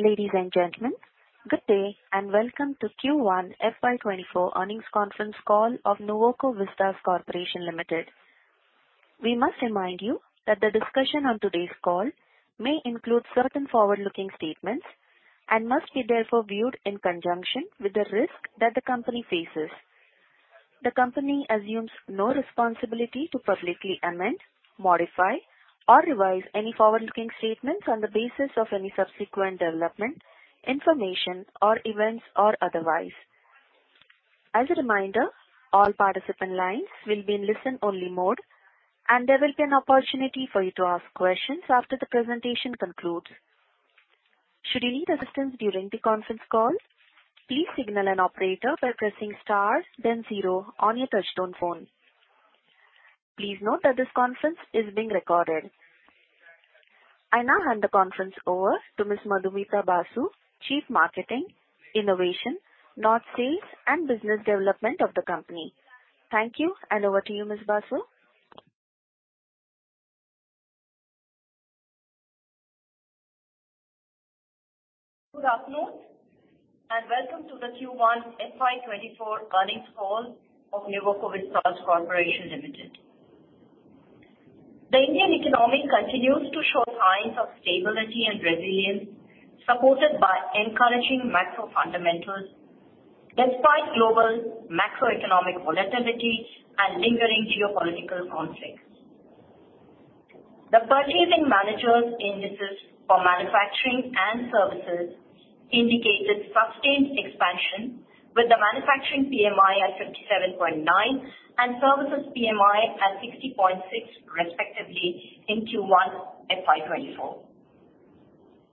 Ladies and gentlemen, good day and welcome to Q1 FY 2024 earnings conference call of Nuvoco Vistas Corporation Limited. We must remind you that the discussion on today's call may include certain forward-looking statements and must be therefore viewed in conjunction with the risk that the company faces. The company assumes no responsibility to publicly amend, modify, or revise any forward-looking statements on the basis of any subsequent development, information, or events, or otherwise. As a reminder, all participant lines will be in listen only mode and there will be an opportunity for you to ask questions after the presentation concludes. Should you need assistance during the conference call, please signal an operator by pressing star then zero on your touchtone phone. Please note that this conference is being recorded. I now hand the conference over to Ms. Madhumita Basu, Chief Marketing, Innovation, North Sales and Business Development of the company. Thank you. Over to you, Ms. Basu. Good afternoon and welcome to the Q1 FY 2024 earnings call of Nuvoco Vistas Corporation Limited. The Indian economy continues to show signs of stability and resilience, supported by encouraging macro fundamentals despite global macroeconomic volatility and lingering geopolitical conflicts. The purchasing managers' indices for manufacturing and services indicated sustained expansion with the manufacturing PMI at 57.9 and services PMI at 60.6 respectively in Q1 FY 2024.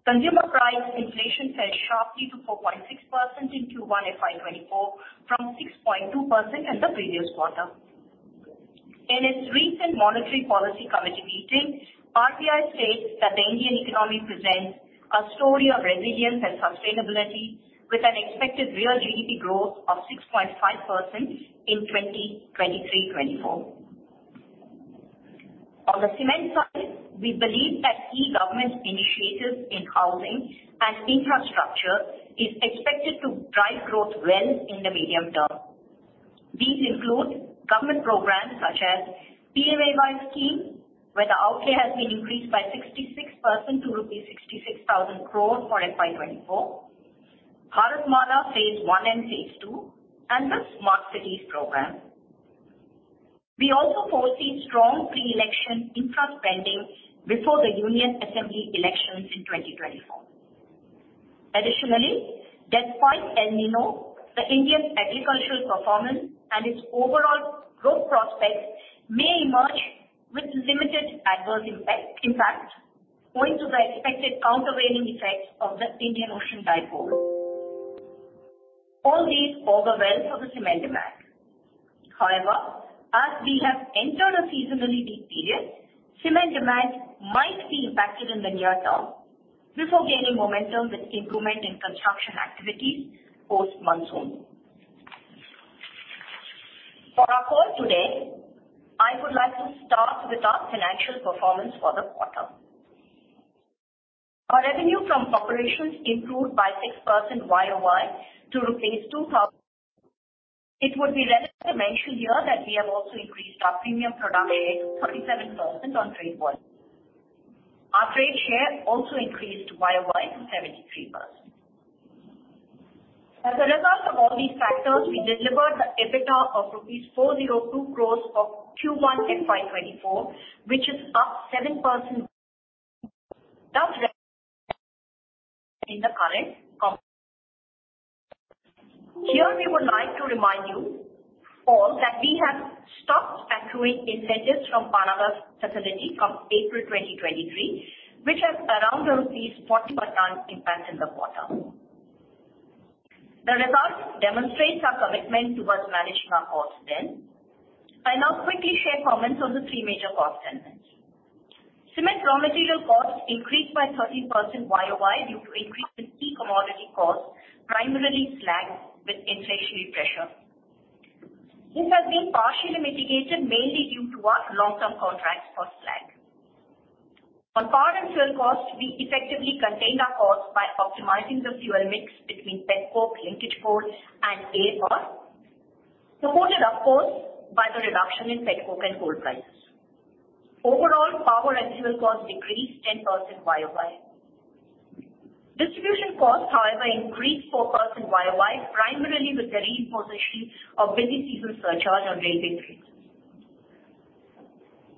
Consumer price inflation fell sharply to 4.6% in Q1 FY 2024 from 6.2% in the previous quarter. In its recent monetary policy committee meeting, RBI states that the Indian economy presents a story of resilience and sustainability with an expected real GDP growth of 6.5% in 2023/24. On the cement side, we believe that key government initiatives in housing and infrastructure is expected to drive growth well in the medium term. These include government programs such as PMAY scheme, where the outlay has been increased by 66% to 66,000 crore rupees for FY 2024, Bharatmala Phase 1 and Phase 2, and the Smart Cities Mission. We also foresee strong pre-election infra spending before the Union Assembly elections in 2024. Additionally, despite El Niño, the Indian agricultural performance and its overall growth prospects may emerge with limited adverse impact due to the expected countervailing effects of the Indian Ocean dipole. All these bode well for the cement demand. However, as we have entered a seasonally peak period, cement demand might be impacted in the near term before gaining momentum with improvement in construction activities post-monsoon. For our call today, I would like to start with our financial performance for the quarter. Our revenue from operations improved by 6% YOY to 2,000. It would be relevant to mention here that we have also increased our premium product mix 37% on trade one. Our trade share also increased YOY to 73%. As a result of all these factors, we delivered an EBITDA of INR 402 crores for Q1 FY 2024, which is up 7% in the current quarter. Here we would like to remind you all that we have stopped accruing incentives from Panala facility from April 2023, which has around 40 percent impact in the quarter. The results demonstrate our commitment towards managing our costs well. I now quickly share comments on the three major cost centers. Cement raw material costs increased by 13% YOY due to increase in key commodity costs, primarily slag with inflationary pressure. This has been partially mitigated mainly due to our long-term contracts for slag. On power and fuel costs, we effectively contained our costs by optimizing the fuel mix between petcoke, linkage coal and AFR, supported of course by the reduction in petcoke and coal prices. Overall, power and fuel costs decreased 10% YOY. Distribution costs, however, increased 4% YOY primarily with the imposition of busy season surcharge on rail freight fees.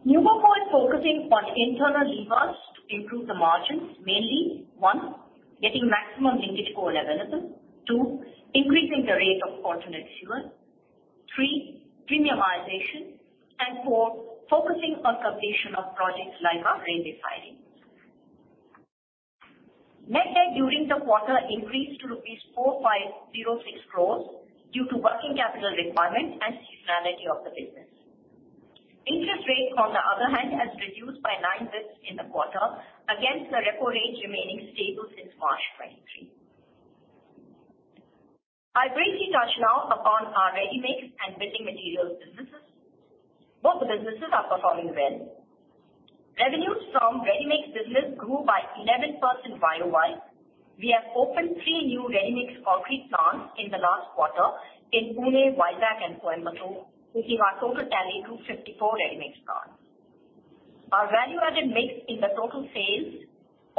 Nuvoco is focusing on internal levers to improve the margins, mainly one, getting maximum linkage coal availability. Two, increasing the rate of alternate fuel. Three, premiumization. Four, focusing on completion of projects like our rail base filings. Net debt during the quarter increased to rupees 4,506 crores due to working capital requirements and seasonality of the business. Interest rate, on the other hand, has reduced by 9 basis points in the quarter against the repo rate remaining stable since March 20. I briefly touch now upon our readymix and building materials businesses. Both businesses are performing well. Revenues from readymix business grew by 11% YOY. We have opened three new readymix concrete plants in the last quarter in Pune, Vizag and Coimbatore, pushing our total tally to 54 readymix plants. Our value-added mix in the total sales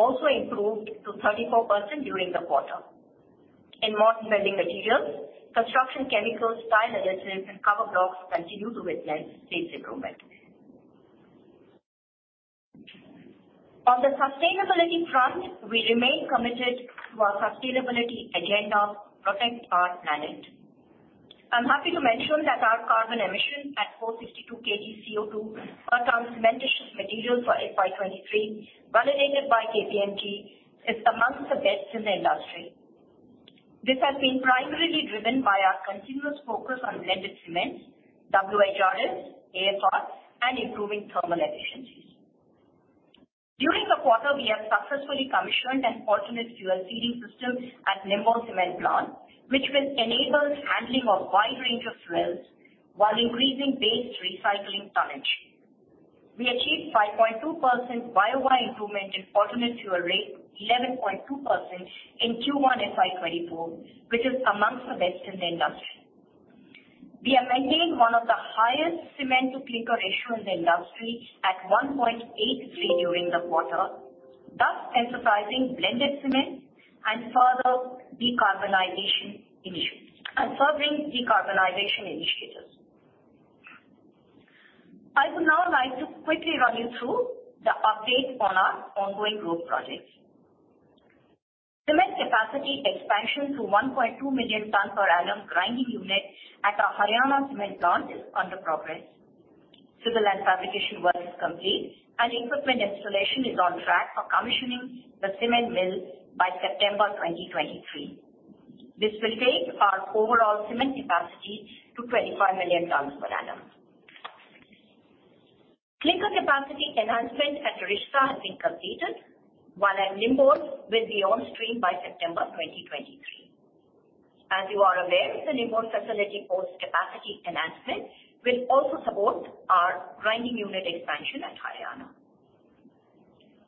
also improved to 34% during the quarter. In modern building materials, construction chemicals, tile adhesives, and cover blocks continue to witness steady improvement. On the sustainability front, we remain committed to our sustainability agenda, Protect Our Planet. I'm happy to mention that our carbon emission at 462 kg CO2 per ton cementitious material for FY 2023, validated by KPMG, is amongst the best in the industry. This has been primarily driven by our continuous focus on blended cements, WHRS, AFR, and improving thermal efficiencies. During the quarter, we have successfully commissioned an alternate fuel seeding system at Nimbol cement plant, which will enable handling of wide range of fuels while increasing base recycling tonnage. We achieved 5.2% YOY improvement in alternate fuel rate, 11.2% in Q1 FY 2024, which is amongst the best in the industry. We are maintaining one of the highest cement-to-clinker ratio in the industry at 1.83 during the quarter, thus emphasizing blended cement and further decarbonization initiatives. I would now like to quickly run you through the update on our ongoing growth projects. Cement capacity expansion to 1.2 million ton per annum grinding unit at our Haryana cement plant is under progress. Civil and fabrication work is complete, and equipment installation is on track for commissioning the cement mill by September 2023. This will take our overall cement capacity to 25 million tons per annum. Clinker capacity enhancement at Risda has been completed, while at Nimbol will be on stream by September 2023. As you are aware, the Nimbol facility post capacity enhancement will also support our grinding unit expansion at Haryana.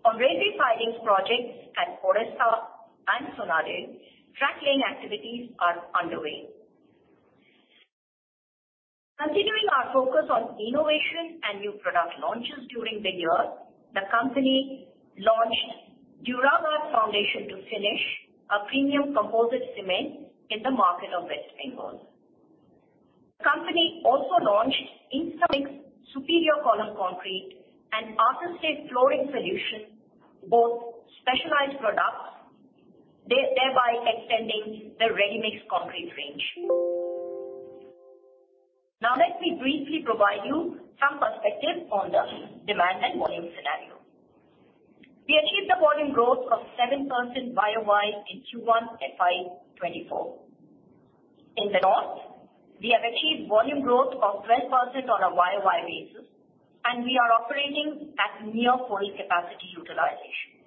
On rail-based projects at Odisha and Sonadih, track laying activities are underway. Continuing our focus on innovation and new product launches during the year, the company launched Duraguard Foundation to Finish, a premium composite cement in the market of West Bengal. The company also launched InstaMix Superior Column Concrete and Artiste Flooring Solution, both specialized products, thereby extending the ready-mix concrete range. Now let me briefly provide you some perspective on the demand and volume scenario. We achieved a volume growth of 7% YOY in Q1 FY 2024. In the north, we have achieved volume growth of 12% on a YOY basis, and we are operating at near full capacity utilization.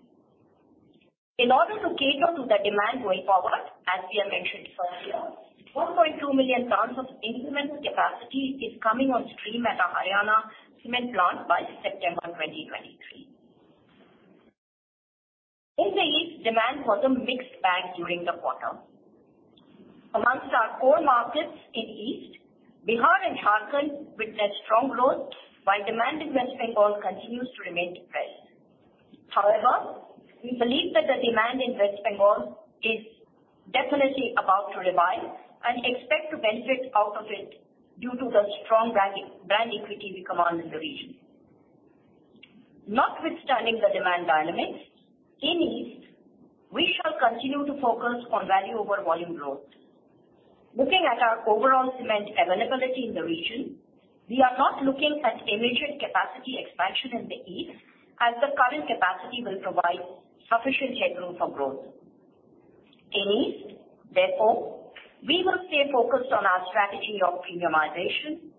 In order to cater to the demand going forward, as we have mentioned earlier, 1.2 million tons of incremental capacity is coming on stream at our Haryana cement plant by September 2023. In the East, demand was a mixed bag during the quarter. Amongst our core markets in East, Bihar and Jharkhand witnessed strong growth while demand in West Bengal continues to remain depressed. However, we believe that the demand in West Bengal is definitely about to revive and expect to benefit out of it due to the strong brand equity we command in the region. Notwithstanding the demand dynamics, in East, we shall continue to focus on value over volume growth. Looking at our overall cement availability in the region, we are not looking at immediate capacity expansion in the East, as the current capacity will provide sufficient headroom for growth. In East, therefore, we will stay focused on our strategy of premiumization,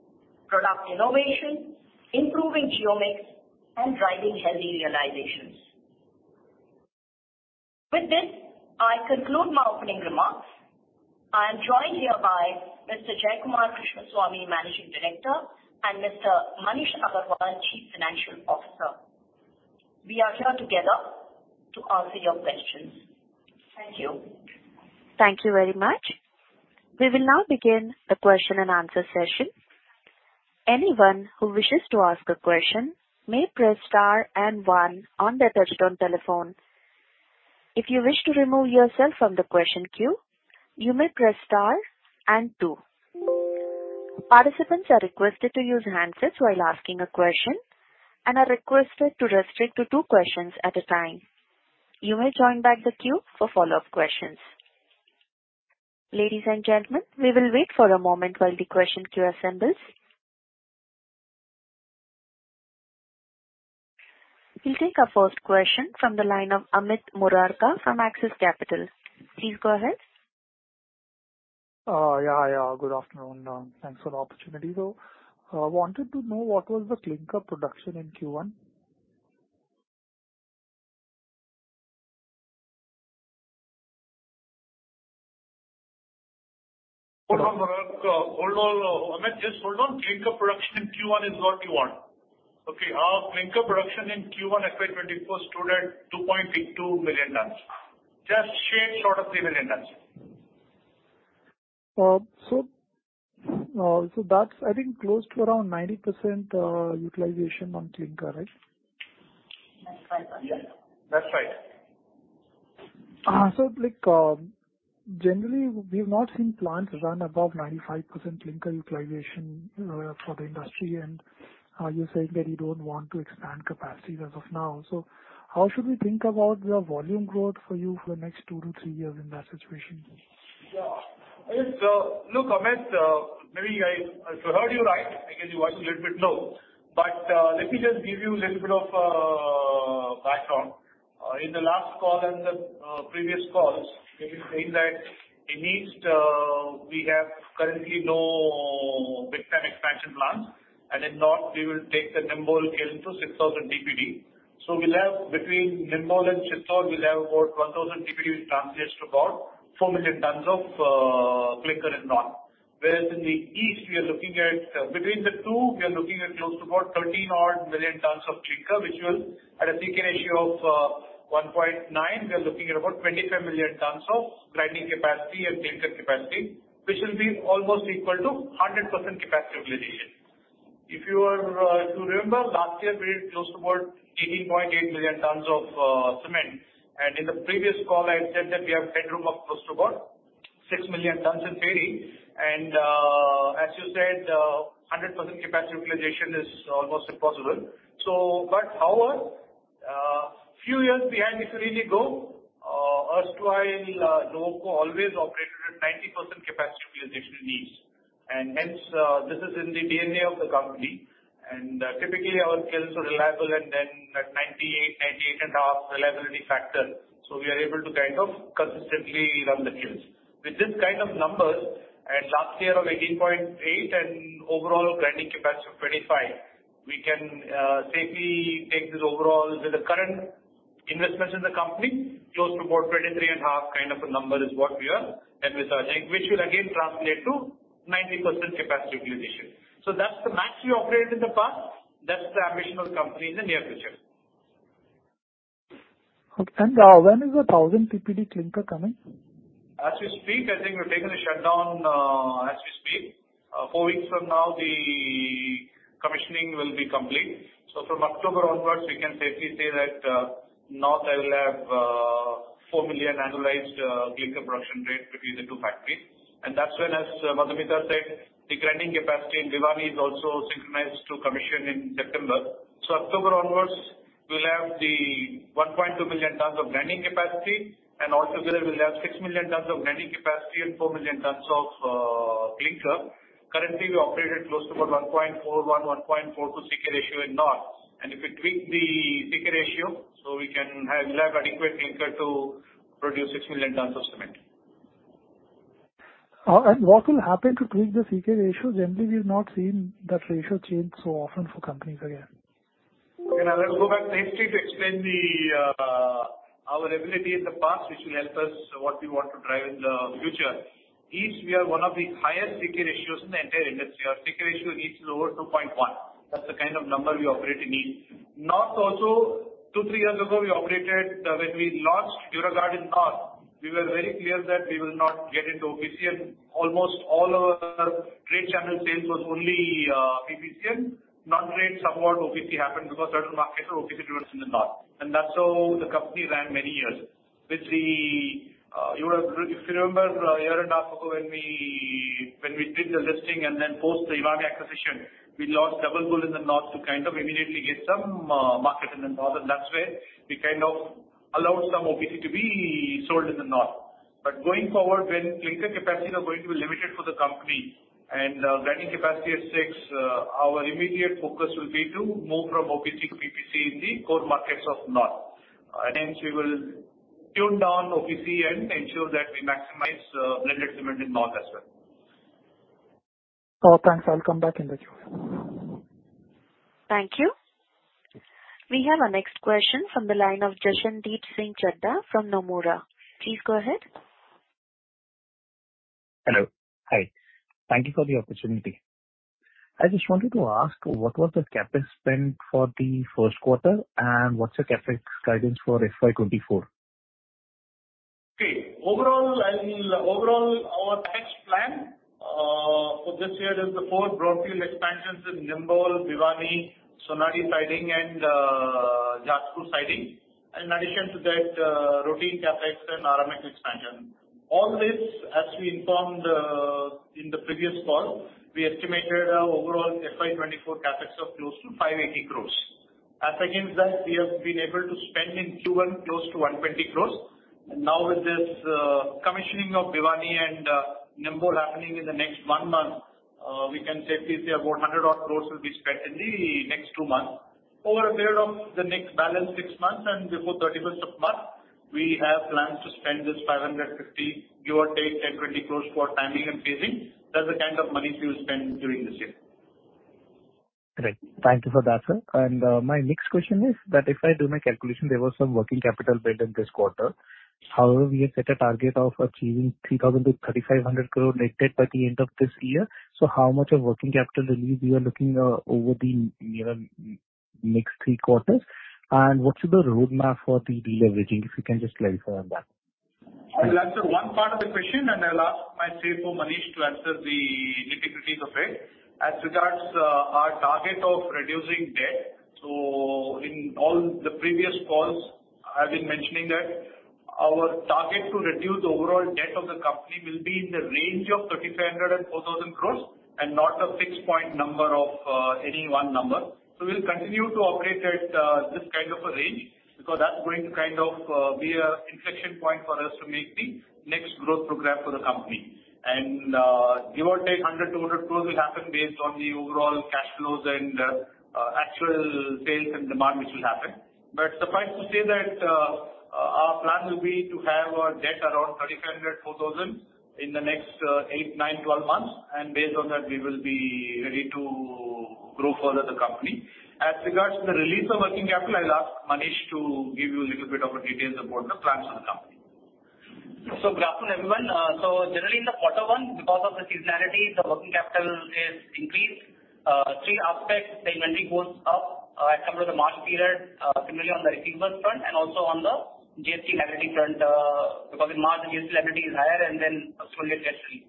product innovation, improving geomix, and driving healthy realizations. With this, I conclude my opening remarks. I am joined here by Mr. Jayakumar Krishnaswamy, Managing Director, and Mr. Maneesh Agrawal, Chief Financial Officer. We are here together to answer your questions. Thank you. Thank you very much. We will now begin the question and answer session. Anyone who wishes to ask a question may press star and one on their touchtone telephone. If you wish to remove yourself from the question queue, you may press star and two. Participants are requested to use handsets while asking a question and are requested to restrict to two questions at a time. You may join back the queue for follow-up questions. Ladies and gentlemen, we will wait for a moment while the question queue assembles. We'll take our first question from the line of Amit Murarka from Axis Capital. Please go ahead. Yeah. Good afternoon. Thanks for the opportunity, though. I wanted to know what was the clinker production in Q1 Hold on, Amit. Just hold on. Clinker production in Q1 is what you want. Okay. Our clinker production in Q1 FY 2024 stood at 2.82 million tons. Just shade short of 3 million tons. That's, I think, close to around 90% utilization on clinker, right? That's right. Yes, that's right. Generally, we've not seen plants run above 95% clinker utilization for the industry, and you're saying that you don't want to expand capacities as of now. How should we think about your volume growth for you for the next 2-3 years in that situation? Look, Amit, maybe I heard you right. I guess your voice is a little bit low. Let me just give you a little bit of background. In the last call and the previous calls, we've been saying that in the east, we have currently no big time expansion plans, and in north we will take the Nimbol kiln to 6,000 TPD. We'll have between Nimbol and Chittor, we'll have about 1,000 TPD, which translates to about 4 million tons of clinker in north. Whereas in the east, between the two, we are looking at close to about 13-odd million tons of clinker, which will, at a C/K ratio of 1.9, we are looking at about 25 million tons of grinding capacity and clinker capacity, which will be almost equal to 100% capacity utilization. If you remember, last year we did close to about 18.8 million tons of cement, and in the previous call, I had said that we have headroom of close to about 6 million tons in theory, and as you said, 100% capacity utilization is almost impossible. However, a few years behind, if you really go, erstwhile Nuvoco always operated at 90% capacity utilization in the east, and hence this is in the DNA of the company. Typically, our kilns are reliable and then at 98.5 reliability factor, so we are able to kind of consistently run the kilns. With this kind of numbers and last year of 18.8 and overall grinding capacity of 25, we can safely take this overall with the current investments in the company, close to about 23.5 kind of a number is what we are envisaging, which will again translate to 90% capacity utilization. That's the max we operated in the past. That's the ambition of the company in the near future. Okay. When is the 1,000 TPD clinker coming? As we speak, I think we've taken a shutdown as we speak. Four weeks from now, the commissioning will be complete. From October onwards, we can safely say that north I will have four million annualized clinker production rate between the two factories. That's when, as Madhumita said, the grinding capacity in Bhiwani is also synchronized to commission in September. October onwards we'll have the 1.2 million tons of grinding capacity, and altogether we'll have six million tons of grinding capacity and four million tons of clinker. Currently, we operate at close to about 1.41, 1.42 clinker-to-cement ratio in north. If we tweak the clinker-to-cement ratio, we'll have adequate clinker to produce six million tons of cement. What will happen to tweak the clinker-to-cement ratio? Generally, we've not seen that ratio change so often for companies again. I'll go back safely to explain our ability in the past, which will help us what we want to drive in the future. East, we have one of the highest C/K ratios in the entire industry. Our clinker-to-cement ratio in East is over 2.1. That's the kind of number we operate in East. North also, two, three years ago, we operated. When we launched Duraguard in North, we were very clear that we will not get into OPC and almost all our trade channel sales was only PPC. North trade, somewhat OPC happened because certain markets are OPC driven in the North. That's how the company ran many years. If you remember a year and a half ago when we did the listing and then post the Bhiwani acquisition, we lost Double Bull in the North to kind of immediately get some market in the North, and that's where we kind of allowed some OPC to be sold in the North. Going forward, when clinker capacities are going to be limited for the company and grinding capacity at 6, our immediate focus will be to move from OPC to PPC in the core markets of North. Hence we will tune down OPC and ensure that we maximize blended cement in North as well. Thanks. I'll come back in the queue. Thank you. We have our next question from the line of Jaswandeep Singh Chadda from Nomura. Please go ahead. Hello. Hi. Thank you for the opportunity. I just wanted to ask, what was the CapEx spend for the first quarter, and what's your CapEx guidance for FY 2024? Overall, our attached plan for this year is the four brownfield expansions in Nimbol, Bhiwani, Sonadih Siding, and Jharsuguda Siding. In addition to that, routine CapEx and RMC expansion. All this, as we informed in the previous call, we estimated overall FY 2024 CapEx of close to 580 crores. As against that, we have been able to spend in Q1 close to 120 crores. Now with this commissioning of Bhiwani and Nimbol happening in the next one month, we can safely say about 100 odd crores will be spent in the next two months. Over and beyond the next balance six months and before 31st of March, we have plans to spend this 550, give or take 10, 20 crores for timing and phasing. That's the kind of money we will spend during this year. Great. Thank you for that, sir. My next question is that if I do my calculation, there was some working capital build in this quarter. However, we have set a target of achieving 3,000-3,500 crore net debt by the end of this year. How much of working capital release we are looking over the next three quarters? What's the roadmap for the deleveraging? If you can just clarify on that. I'll answer one part of the question, and I'll ask my CFO, Maneesh, to answer the nitty-gritties of it. As regards our target of reducing debt, in all the previous calls, I've been mentioning that our target to reduce overall debt of the company will be in the range of 3,500 and 4,000 crores and not a fixed point number of any one number. We'll continue to operate at this kind of a range because that's going to be an inflection point for us to make the next growth program for the company. Give or take 100-200 crores will happen based on the overall cash flows and actual sales and demand which will happen. But suffice to say that our plan will be to have our debt around 3,500, 4,000 in the next eight, nine, 12 months. Based on that, we will be ready to grow further the company. As regards to the release of working capital, I will ask Maneesh to give you a little bit of details about the plans of the company. Good afternoon, everyone. Generally in the quarter one, because of the seasonality, the working capital is increased. Three aspects, the inventory goes up as compared to the March period. Similarly on the receivables front and also on the GST liability front, because in March the GST liability is higher and then slowly it gets released.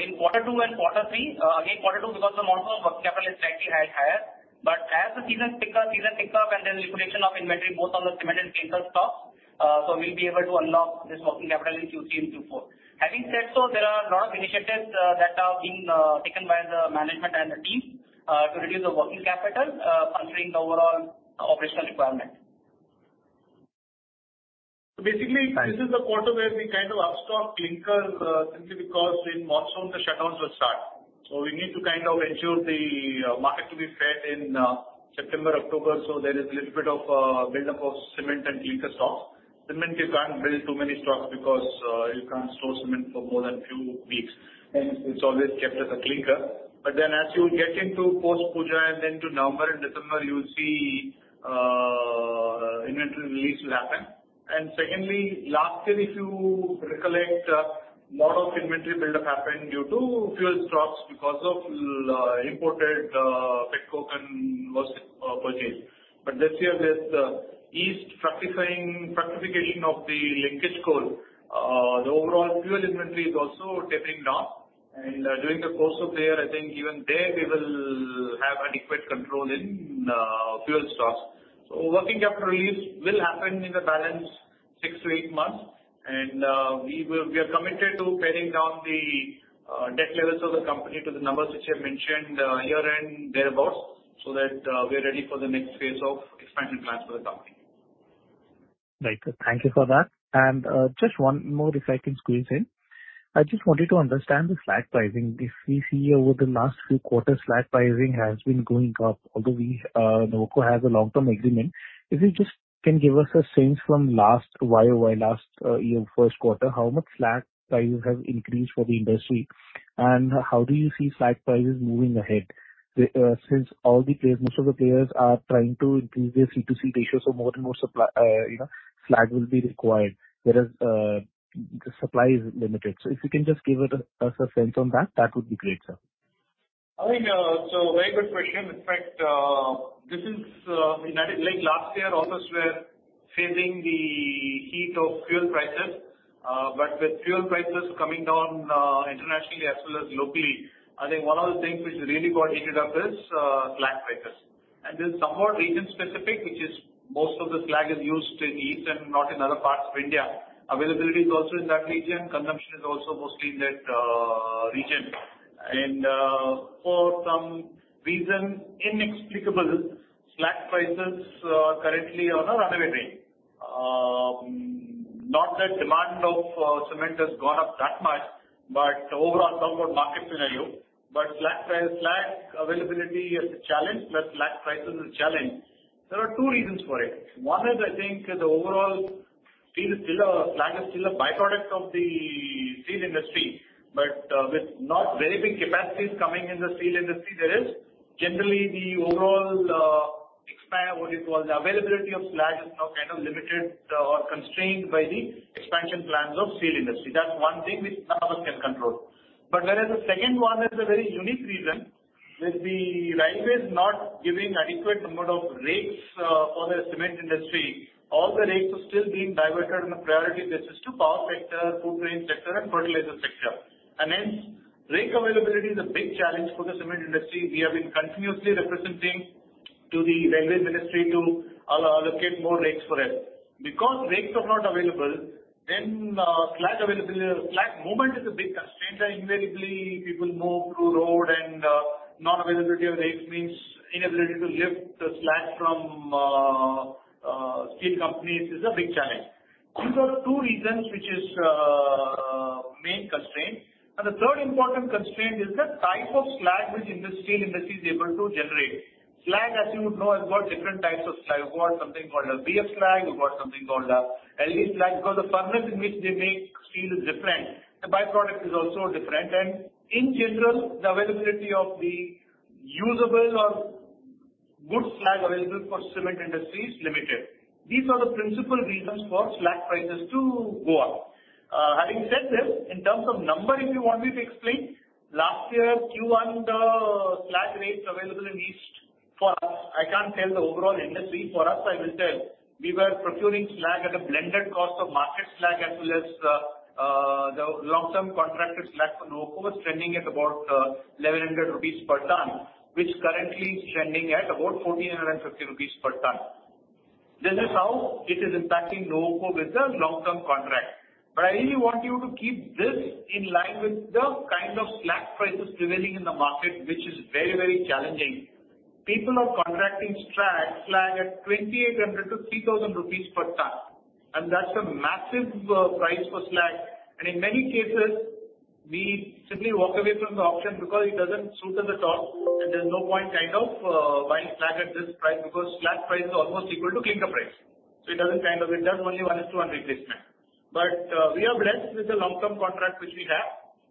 In quarter two and quarter three, again, quarter two because of monsoon, working capital is slightly higher, but as the season picks up and then liquidation of inventory both on the cement and clinker stock. We'll be able to unlock this working capital in Q3 and Q4. Having said so, there are a lot of initiatives that are being taken by the management and the team, to reduce the working capital, considering the overall operational requirement. Basically, this is the quarter where we up-stock clinker, simply because in monsoon the shutdowns will start. We need to ensure the market to be fed in September, October. There is little bit of a buildup of cement and clinker stock. Cement you can't build too many stocks because you can't store cement for more than few weeks. Hence it's always kept as a clinker. As you get into post Puja and then to November and December, you'll see inventory release will happen. Secondly, last year if you recollect, lot of inventory buildup happened due to fuel stocks because of imported petcoke and coke purchased. This year there's ease ratification of the linkage coal. The overall fuel inventory is also tapering down. During the course of the year, I think even there we will have adequate control in fuel stocks. Working capital release will happen in the balance 6 to 8 months. We are committed to paring down the debt levels of the company to the numbers which I mentioned herein, thereabout, so that we are ready for the next phase of expansion plans for the company. Right. Thank you for that. Just one more if I can squeeze in. I just wanted to understand the slag pricing. If we see over the last few quarters, slag pricing has been going up, although Nuvoco has a long-term agreement. If you just can give us a sense from last YOY, last year first quarter, how much slag prices have increased for the industry, and how do you see slag prices moving ahead? Since most of the players are trying to increase their C2C ratios, more and more slag will be required, whereas the supply is limited. If you can just give us a sense on that would be great, sir. I think, very good question. In fact, I think last year also we're facing the heat of fuel prices. With fuel prices coming down internationally as well as locally, I think one of the things which really got heated up is slag prices. This is somewhat region specific, which is most of the slag is used in east and not in other parts of India. Availability is also in that region. Consumption is also mostly in that region. For some reason, inexplicable, slag prices are currently on a runaway rate. Not that demand of cement has gone up that much, but overall somewhat market scenario. Slag availability is a challenge, plus slag prices is a challenge. There are two reasons for it. One is I think the overall slag is still a byproduct of the steel industry. With not very big capacities coming in the steel industry, there is generally the overall availability of slag is now kind of limited or constrained by the expansion plans of steel industry. That's one thing which none of us can control. Whereas the second one is a very unique reason, with the railways not giving adequate number of rakes for the cement industry. All the rakes are still being diverted on a priority basis to power sector, food grain sector, and fertilizer sector. Hence, rake availability is a big challenge for the cement industry. We have been continuously representing to the railway ministry to allocate more rakes for us. Rakes are not available, then slag movement is a big constraint and invariably it will move through road and non-availability of rakes means inability to lift the slag from steel companies is a big challenge. These are the two reasons which is main constraint. The third important constraint is the type of slag which the steel industry is able to generate. Slag, as you would know, has got different types of slag. You've got something called a BF slag, you've got something called a LD slag. The furnace in which they make steel is different, the byproduct is also different. In general, the availability of the usable or good slag available for cement industry is limited. These are the principal reasons for slag prices to go up. Having said this, in terms of number, if you want me to explain, last year's Q1, the slag rates available in east for us, I can't tell the overall industry, for us, I will tell. We were procuring slag at a blended cost of market slag as well as the long-term contracted slag for Nuvoco was trending at about 1,100 rupees per ton, which currently is trending at about 1,450 rupees per ton. This is how it is impacting Nuvoco with the long-term contract. I really want you to keep this in line with the kind of slag prices prevailing in the market, which is very challenging. People are contracting slag at 2,800-3,000 rupees per ton. That's a massive price for slag. In many cases, we simply walk away from the auction because it doesn't suit us at all. There's no point buying slag at this price because slag price is almost equal to clinker price. It does only one-to-one replacement. We are blessed with the long-term contract which we have,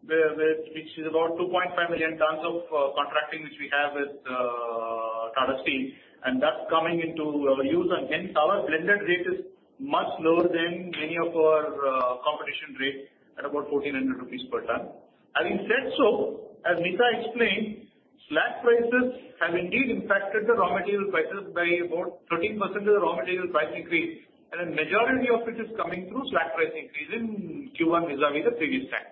which is about 2.5 million tons of contracting which we have with Tata Steel. That's coming into use. Hence our blended rate is much lower than many of our competition rate at about 1,400 rupees per ton. Having said so, as Megha explained, slag prices have indeed impacted the raw material prices by about 13% of the raw material price increase, and a majority of it is coming through slag price increase in Q1 vis-à-vis the previous time.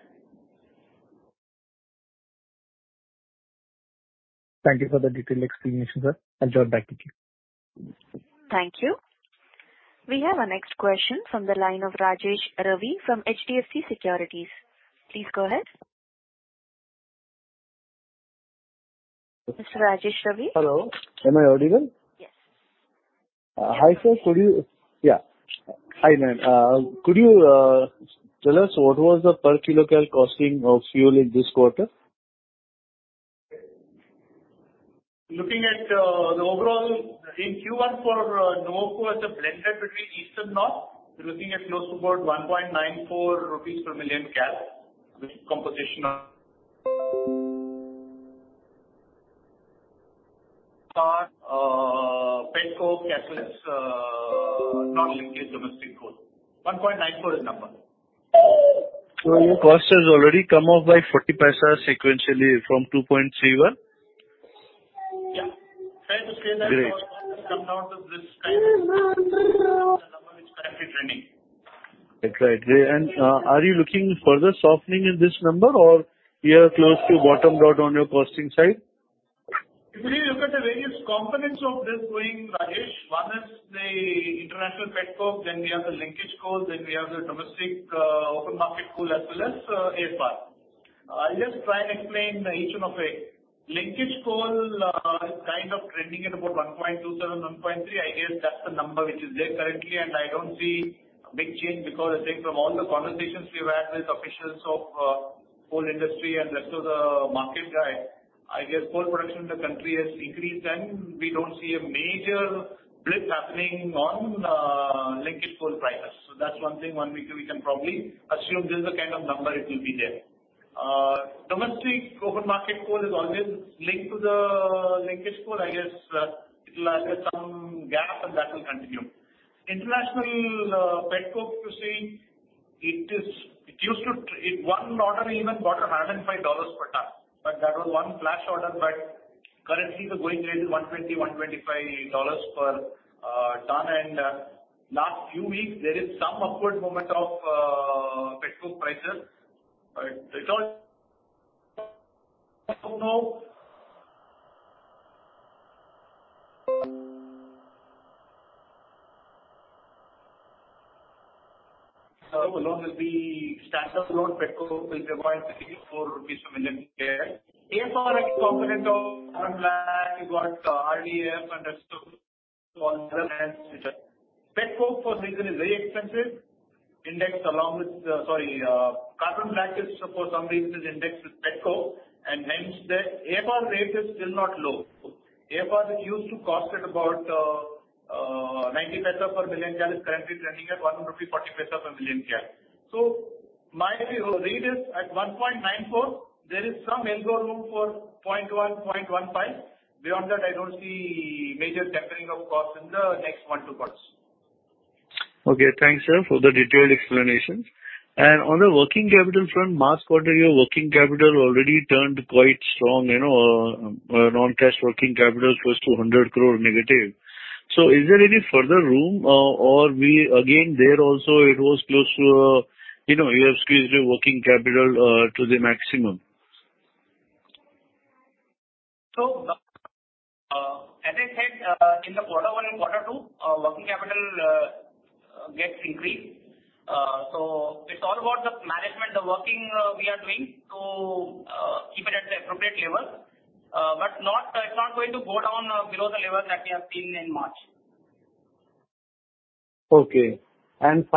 Thank you for the detailed explanation, sir. I'll join back with you. Thank you. We have our next question from the line of Rajesh Ravi from HDFC Securities. Please go ahead. Mr. Rajesh Ravi? Hello, am I audible? Yes. Hi, ma'am. Could you tell us what was the per kilo cal costing of fuel in this quarter? Looking at the overall, in Q1 for Nuvoco as a blended between east and north, we're looking at close to about INR 1.94 per million gas, which composition of pet coke as well as non-linkage domestic coal. 1.94 is the number. Cost has already come up by 0.40 sequentially from 2.31? Yeah. Try to say that. Great. Come down to this kind of number which is currently trending. Right. Are you looking further softening in this number or we are close to bottomed out on your costing side? If you look at the various components of this going, Rajesh, one is the international pet coke, then we have the linkage coal, then we have the domestic open market coal as well as AFR. I'll just try and explain each one of it. Linkage coal is kind of trending at about 1.27, 1.3. I guess that's the number which is there currently, and I don't see a big change because I think from all the conversations we've had with officials of coal industry and rest of the market guys, I guess coal production in the country has increased, and we don't see a major blip happening on linkage coal prices. That's one thing we can probably assume this is the kind of number it will be there. Domestic open market coal is always linked to the linkage coal. I guess it'll have some gap and that will continue. International pet coke, one order even got INR 105 per ton, but that was one flash order. Currently the going rate is INR 120, INR 125 per ton. Last few weeks, there is some upward moment of pet coke prices. It's all will be standard flow pet coke will be around maybe INR 4 per million kg. AFR is a component of carbon black. You've got RDF and rest of all the other. Pet coke for season is very expensive. Carbon black is for some reason indexed with pet coke and hence the AFR rate is still not low. AFR used to cost at about INR 0.90 per million kg. It's currently trending at INR 1.40 per million kg. My read is at 1.94, there is some elbow room for 0.1, 0.15. Beyond that, I don't see major tempering of cost in the next one, two quarters. Okay. Thanks, sir, for the detailed explanations. On the working capital front, last quarter, your working capital already turned quite strong. Non-cash working capital close to 100 crore negative. Is there any further room or we again, there also it was close to you have squeezed your working capital to the maximum? As I said, in the quarter one and quarter two, working capital gets increased. It's all about the management, the working we are doing to keep it at the appropriate level. It's not going to go down below the level that we have seen in March. Okay. 500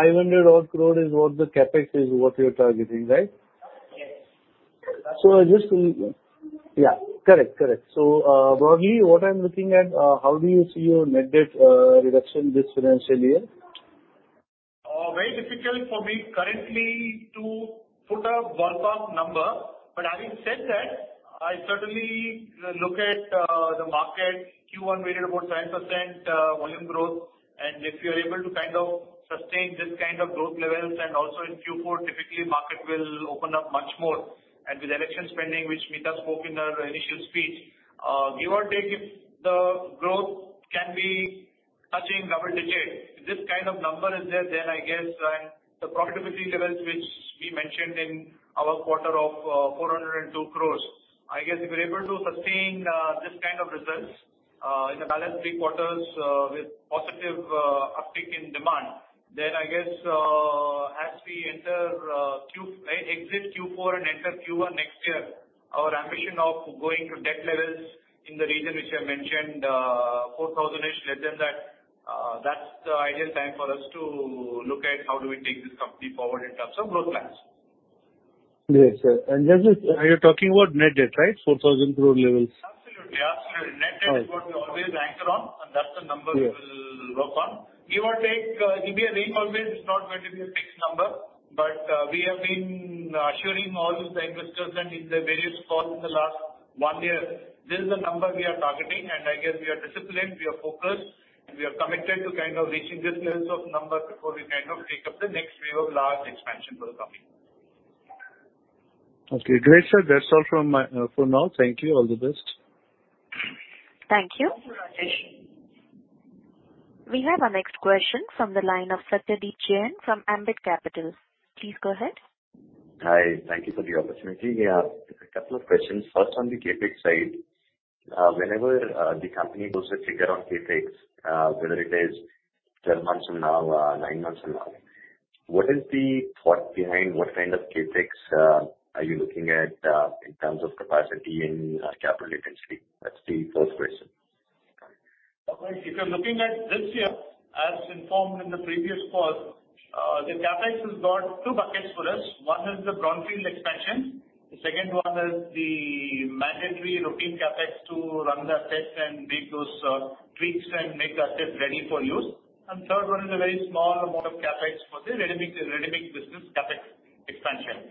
odd crore is what the CapEx is what you're targeting, right? Yes. Yeah. Correct. Broadly, what I'm looking at, how do you see your net debt reduction this financial year? Very difficult for me currently to put a ballpark number. Having said that, I certainly look at the market. Q1 we did about 10% volume growth, and if we are able to sustain this kind of growth levels, and also in Q4, typically market will open up much more. With election spending, which Meeta spoke in her initial speech, give or take if the growth can be touching double digit, this kind of number is there, then I guess the profitability levels which we mentioned in our quarter of 402 crore. I guess if we're able to sustain this kind of results in the balance three quarters with positive uptick in demand, then I guess as we exit Q4 and enter Q1 next year, our ambition of going to debt levels in the region which I mentioned, 4,000-ish, less than that's the ideal time for us to look at how do we take this company forward in terms of growth plans. Yes, sir. Just, are you talking about net debt, right? 4,000 crore levels. Absolutely. Net debt is what we always anchor on, that's the number we will work on. Give or take, EBITDA always is not going to be a fixed number, we have been assuring all the investors and in the various calls in the last one year, this is the number we are targeting, I guess we are disciplined, we are focused, and we are committed to reaching this levels of number before we take up the next wave of large expansion for the company. Okay. Great, sir. That's all from me for now. Thank you. All the best. Thank you. Thank you. We have our next question from the line of Satyadeep Jain from Ambit Capital. Please go ahead. Hi. Thank you for the opportunity. A couple of questions. First, on the CapEx side. Whenever the company goes to figure out CapEx, whether it is 10 months from now or nine months from now, what is the thought behind what kind of CapEx are you looking at in terms of capacity and capital intensity? That's the first question. If you're looking at this year, as informed in the previous call, the CapEx has got two buckets for us. One is the brownfield expansion. The second one is the mandatory routine CapEx to run the assets and make those tweaks and make the assets ready for use. Third one is a very small amount of CapEx for the ready-mix business CapEx expansion.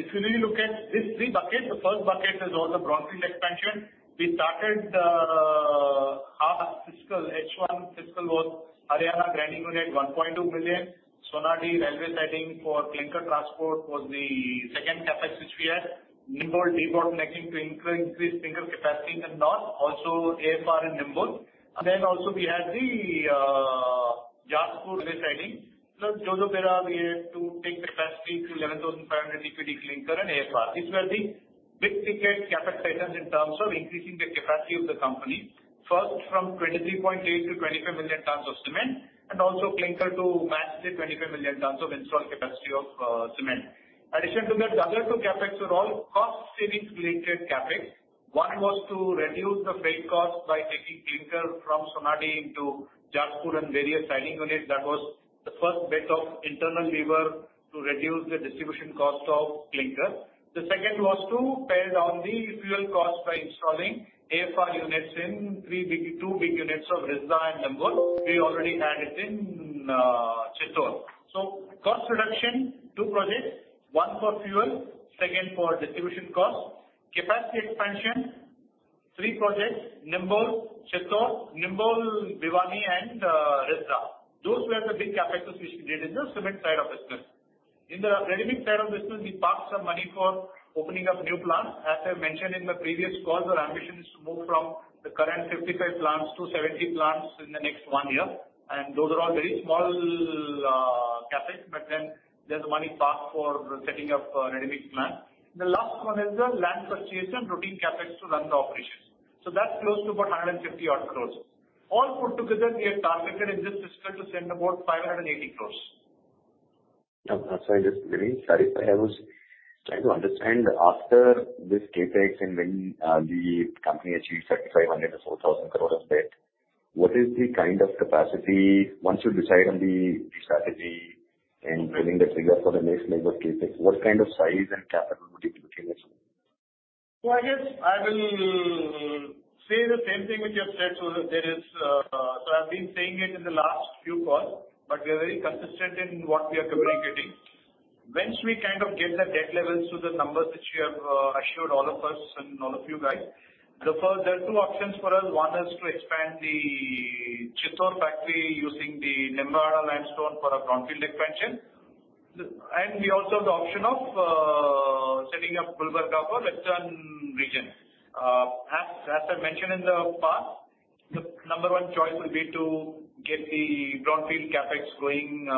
If you really look at these three buckets, the first bucket is all the brownfield expansion. We started half-fiscal, H1 fiscal was Haryana grinding unit, 1.2 million. Sonadih railway siding for clinker transport was the second CapEx which we had. Nimbol depot connecting to increase clinker capacity in north, also AFR in Nimbol. Also we had the Jajpur railway siding. Jojobera, we had to take capacity to 11,500 TPD clinker and AFR. These were the big-ticket CapEx items in terms of increasing the capacity of the company. From 23.8 million tons to 25 million tons of cement. Also clinker to match the 25 million tons of installed capacity of cement. Addition to that, the other two CapEx were all cost savings related CapEx. One was to reduce the freight cost by taking clinker from Sonadih into Jajpur and various siding units. That was the first bit of internal lever to reduce the distribution cost of clinker. The second was to pare down the fuel cost by installing AFR units in two big units of Risda and Nimbol. We already had it in Chittor. Cost reduction, two projects, one for fuel, second for distribution cost. Capacity expansion, three projects, Nimbol, Chittor, Nimbol, Bhabua, and Risda. Those were the big CapExes which we did in the cement side of business. In the readymix side of business, we parked some money for opening up new plants. As I mentioned in the previous calls, our ambition is to move from the current 55 plants to 70 plants in the next one year. Those are all very small CapEx, there's money parked for the setting up readymix plant. The last one is the land purchase and routine CapEx to run the operations. That's close to about 150 crore. All put together, we have targeted in this fiscal to spend about 580 crore. Sorry, just let me clarify. I was trying to understand after this CapEx and when the company achieved 3,500 crore or 4,000 crore of debt, what is the kind of capacity, once you decide on the strategy in building the figure for the next leg of CapEx, what kind of size and capital would it be, roughly speaking? I guess I will say the same thing which I've said. I've been saying it in the last few calls, we are very consistent in what we are communicating. Once we get the debt levels to the numbers which we have assured all of us and all of you guys, there are two options for us. One is to expand the Chittor factory using the Nimbol limestone for our brownfield expansion. We also have the option of setting up Pulverizer for western region. As I mentioned in the past, the number one choice will be to get the brownfield CapEx going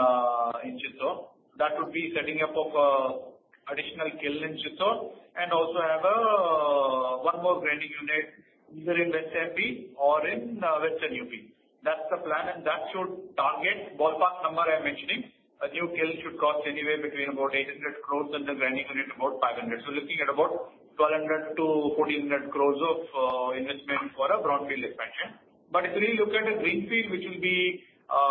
in Chittor. That would be setting up of additional kiln in Chittor and also have one more grinding unit either in west MP or in western UP. That's the plan. That should target ballpark number I am mentioning. A new kiln should cost anywhere between about 800 crores and the grinding unit about 500 crores. We are looking at about 1,200-1,400 crores of investment for a brownfield expansion. If we look at a greenfield,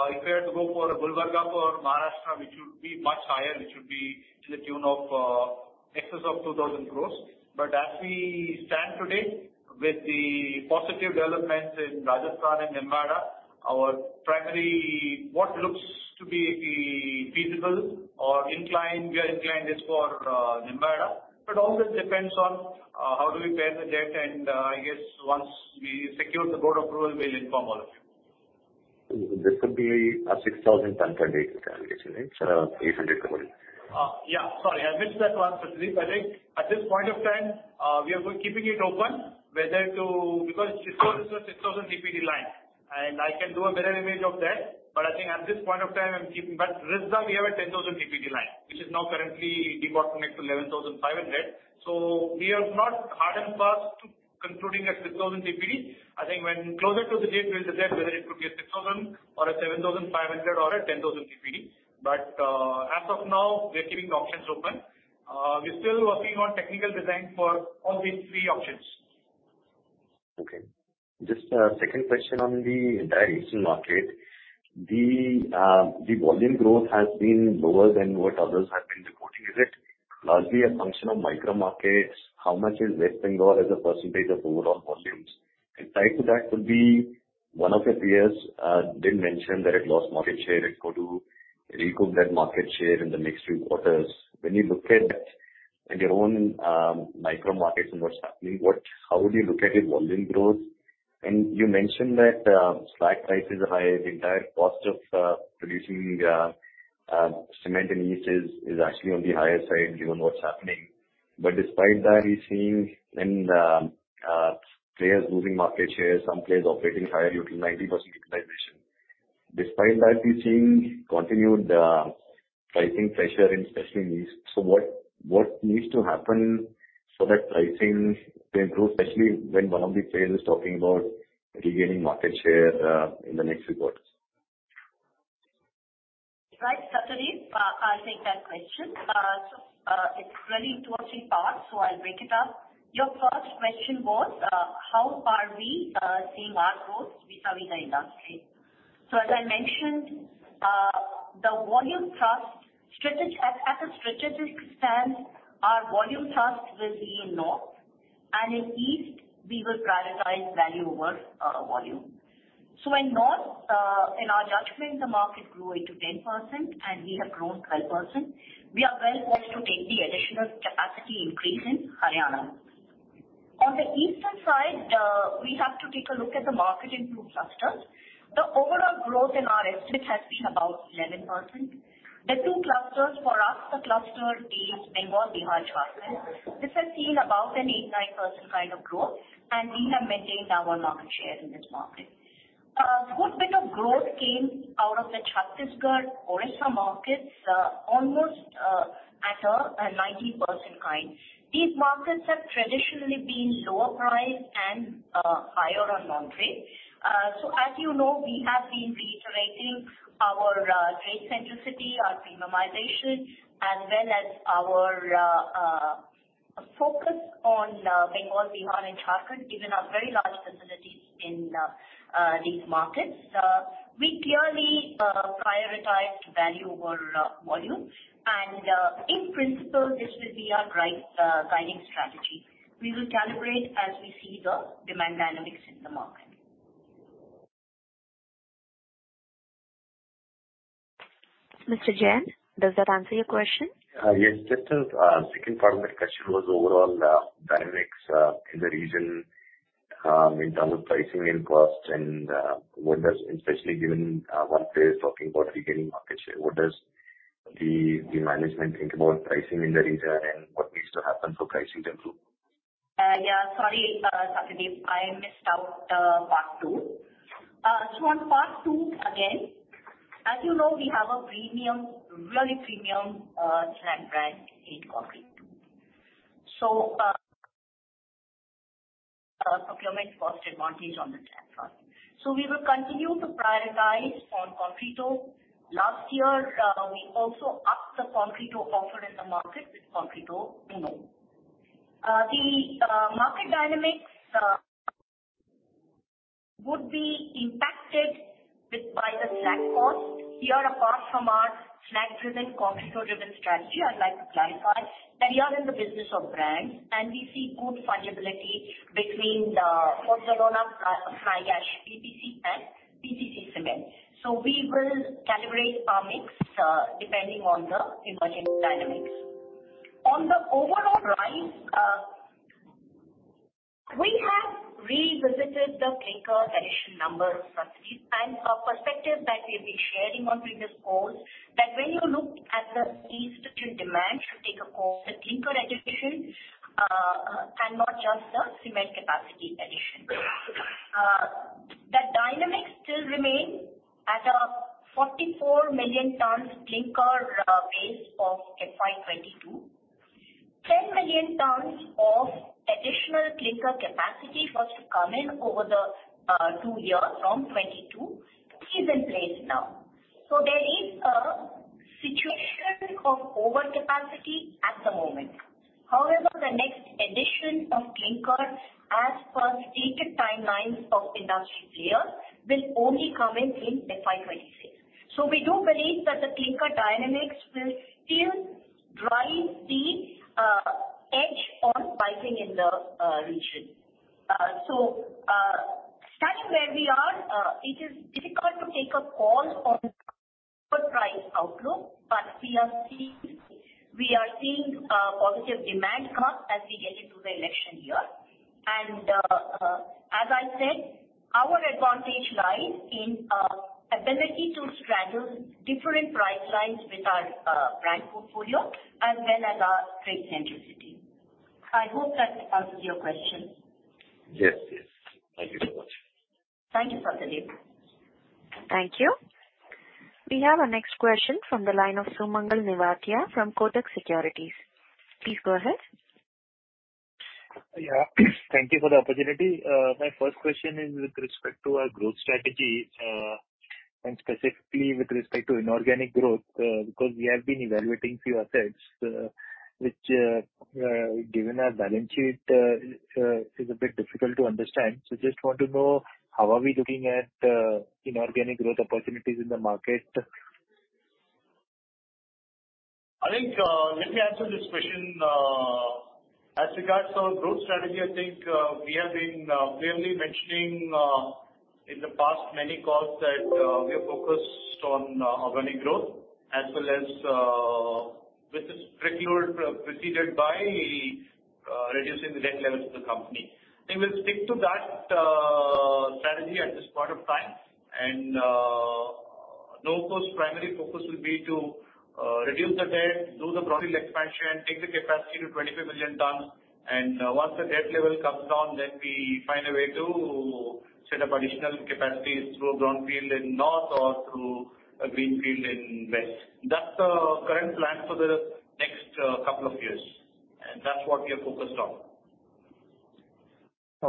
if we are to go for a Gulbarga or Maharashtra, which would be much higher, it should be to the tune of excess of 2,000 crores. As we stand today with the positive developments in Rajasthan and Nimbahera, what looks to be feasible or we are inclined is for Nimbahera, but all this depends on how do we pair the debt. I guess once we secure the board approval, we will inform all of you. This could be a 6,000 TPD installation, right? If I recall it. Sorry, I missed that one, Satyadeep. At this point of time, we are keeping it open. This one is a 6,000 TPD line. I can do a better image of that. At this point of time, I am keeping. Risda we have a 10,000 TPD line, which is now currently debottlenecked to 11,500 TPD. We have not hard and fast concluding at 6,000 TPD. Closer to the date we will decide whether it could be a 6,000 TPD or a 7,500 TPD or a 10,000 TPD. As of now, we are keeping the options open. We are still working on technical design for all these three options. Just a second question on the directional market. The volume growth has been lower than what others have been reporting. Is it largely a function of micro markets? How much is West Bengal as a percentage of overall volumes? Tied to that would be one of your peers did mention that it lost market share. It could recoup that market share in the next three quarters. When you look at that in your own micro markets and what's happening, how would you look at your volume growth? You mentioned that slack price is high. The entire cost of producing cement and slag is actually on the higher side, given what's happening. Despite that, you are seeing players losing market share, some players operating higher utility, 90% utilization. Despite that, we are seeing continued pricing pressure in specialty niche. What needs to happen so that pricing can improve, especially when one of the players is talking about regaining market share in the next few quarters? Right, Satdeep. I will take that question. It is really two or three parts. I will break it up. Your first question was, how are we seeing our growth vis-à-vis the industry? As I mentioned, at a strategic stance, our volume thrust will be in north, and in east, we will prioritize value over volume. In north, in our judgment, the market grew into 10%, and we have grown 12%. We are well-posed to take the additional capacity increase in Haryana. On the eastern side, we have to take a look at the market in two clusters. The overall growth in our estimate has been about 11%. The two clusters for us, the cluster is Bengal, Bihar, Jharkhand. This has seen about an 8%, 9% kind of growth, and we have maintained our market share in this market. Good bit of growth came out of the Chhattisgarh, Odisha markets, almost at a 90% kind. These markets have traditionally been lower price and higher on lead. As you know, we have been reiterating our trade centricity, our premiumization as well as our focus on Bengal, Bihar and Jharkhand, given our very large facilities in these markets. We clearly prioritized value over volume, and in principle, this will be our guiding strategy. We will calibrate as we see the demand dynamics in the market. Mr. Jain, does that answer your question? Yes. Just the second part of my question was overall dynamics in the region, in terms of pricing, in costs, and especially given one player is talking about regaining market share, what does the management think about pricing in the region and what needs to happen for pricing to improve? Yeah, sorry, Satdeep, I missed out part two. On part two, again, as you know, we have a really premium slag brand in Concreto. A procurement cost advantage on the slag front. We will continue to prioritize on Concreto. Last year, we also upped the Concreto offer in the market with Concreto Uno. The market dynamics would be impacted by the slag cost. Here, apart from our slag-driven, Concreto-driven strategy, I'd like to clarify that we are in the business of brands, and we see good fungibility between Barcelona Fly Ash PPC and PPC cement. We will calibrate our mix depending on the emerging dynamics. On the overall price, we have revisited the clinker addition numbers, Satdeep, and our perspective that we've been sharing on previous calls, that when you look at the institute demand should take a call, the clinker addition and not just the cement capacity addition. The dynamics still remain at a 44 million tons clinker base of FY 2022. 10 million tons clinker capacity was to come in over the two years from 2022, which is in place now. There is a situation of overcapacity at the moment. However, the next addition of clinker as per stated timelines of industry players will only come in in FY 2026. We do believe that the clinker dynamics will still drive the edge on pricing in the region. Such where we are, it is difficult to take a call on the price outlook, but we are seeing positive demand curve as we get into the election year. As I said, our advantage lies in ability to straddle different price lines with our brand portfolio and then at our trade centricity. I hope that answers your question. Yes. Thank you so much. Thank you for the lead. Thank you. We have our next question from the line of Sumangal Nevatia from Kotak Securities. Please go ahead. Yeah. Thank you for the opportunity. My first question is with respect to our growth strategy, and specifically with respect to inorganic growth, because we have been evaluating few assets, which, given our balance sheet, is a bit difficult to understand. Just want to know how are we looking at inorganic growth opportunities in the market? Let me answer this question. As regards our growth strategy, I think we have been clearly mentioning in the past many calls that we are focused on organic growth as well as with this workload preceded by reducing the debt levels of the company. We will stick to that strategy at this point of time. Nuvoco's primary focus will be to reduce the debt, do the brownfield expansion, take the capacity to 25 million tons, and once the debt level comes down, then we find a way to set up additional capacities through a brownfield in north or through a greenfield in west. That's the current plan for the next couple of years, and that's what we are focused on.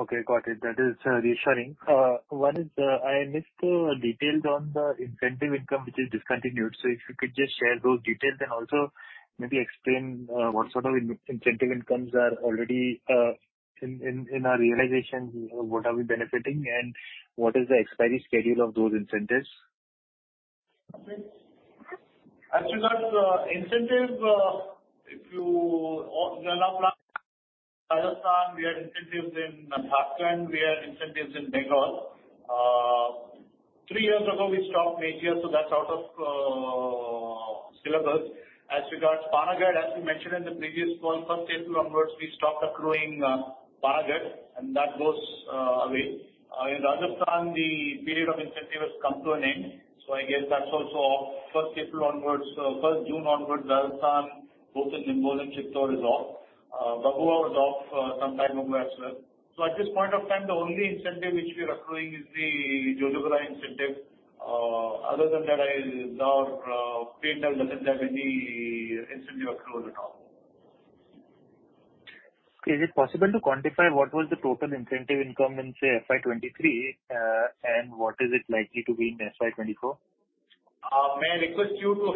Okay, got it. That is reassuring. One is, I missed the details on the incentive income which is discontinued. If you could just share those details and also maybe explain what sort of incentive incomes are already in our realization, what are we benefiting, and what is the expiry schedule of those incentives? As regards incentive, we have a plant in Rajasthan, we had incentives in Dhaka, and we had incentives in Bangalore. Three years ago, we stopped Mejia, so that's out of syllabus. As regards Panagarh, as we mentioned in the previous call, first April onwards, we stopped accruing Panagarh, and that goes away. In Rajasthan, the period of incentive has come to an end, so I guess that's also off first April onwards. First June onwards, Rajasthan, both in Jimsar and Chittor is off. Bhabua was off some time ago as well. At this point of time, the only incentive which we are accruing is the Jojobera incentive. Other than that, our P&L doesn't have any incentive accrual at all. Is it possible to quantify what was the total incentive income in, say, FY 2023, and what is it likely to be in FY 2024? May I request you to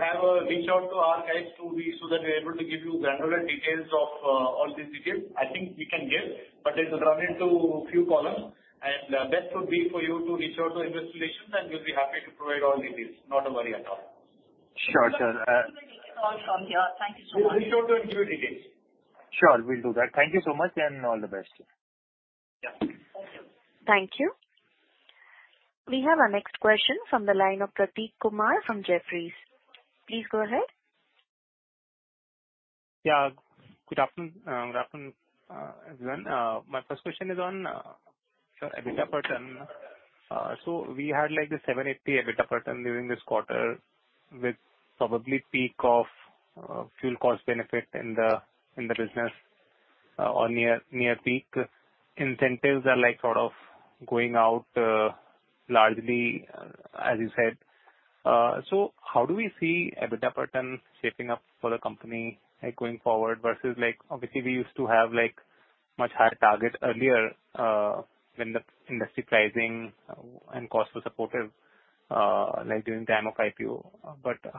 reach out to our guys so that we're able to give you granular details of all these details. I think we can give, but it'll run into few columns, and best would be for you to reach out to investor relations and we'll be happy to provide all details. Not a worry at all. Sure, sir. We will take a call from here. Thank you so much. You reach out to him for details. Sure, we'll do that. Thank you so much and all the best. Yeah. Thank you. Thank you. We have our next question from the line of Pratik Kumar from Jefferies. Please go ahead. Yeah. Good afternoon, everyone. My first question is on EBITDA pattern. We had this seven, eight EBITDA pattern during this quarter with probably peak of fuel cost benefit in the business or near peak. Incentives are sort of going out largely, as you said. How do we see EBITDA pattern shaping up for the company going forward versus, obviously, we used to have much higher target earlier when the industry pricing and cost was supportive, like during the time of IPO.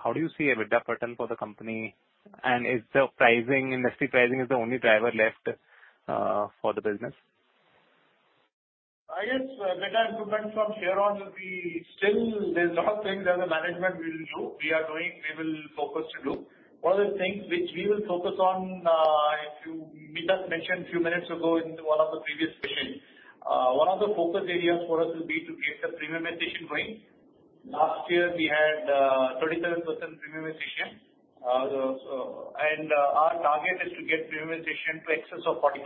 How do you see EBITDA pattern for the company? Is the industry pricing is the only driver left for the business? I guess EBITDA improvements from here on will be still there's a lot of things as a management we will do. We are doing, we will focus to do. One of the things which we will focus on, Mithun mentioned a few minutes ago in one of the previous questions. One of the focus areas for us will be to get the premiumization going. Last year we had 37% premiumization, and our target is to get premiumization to excess of 40%,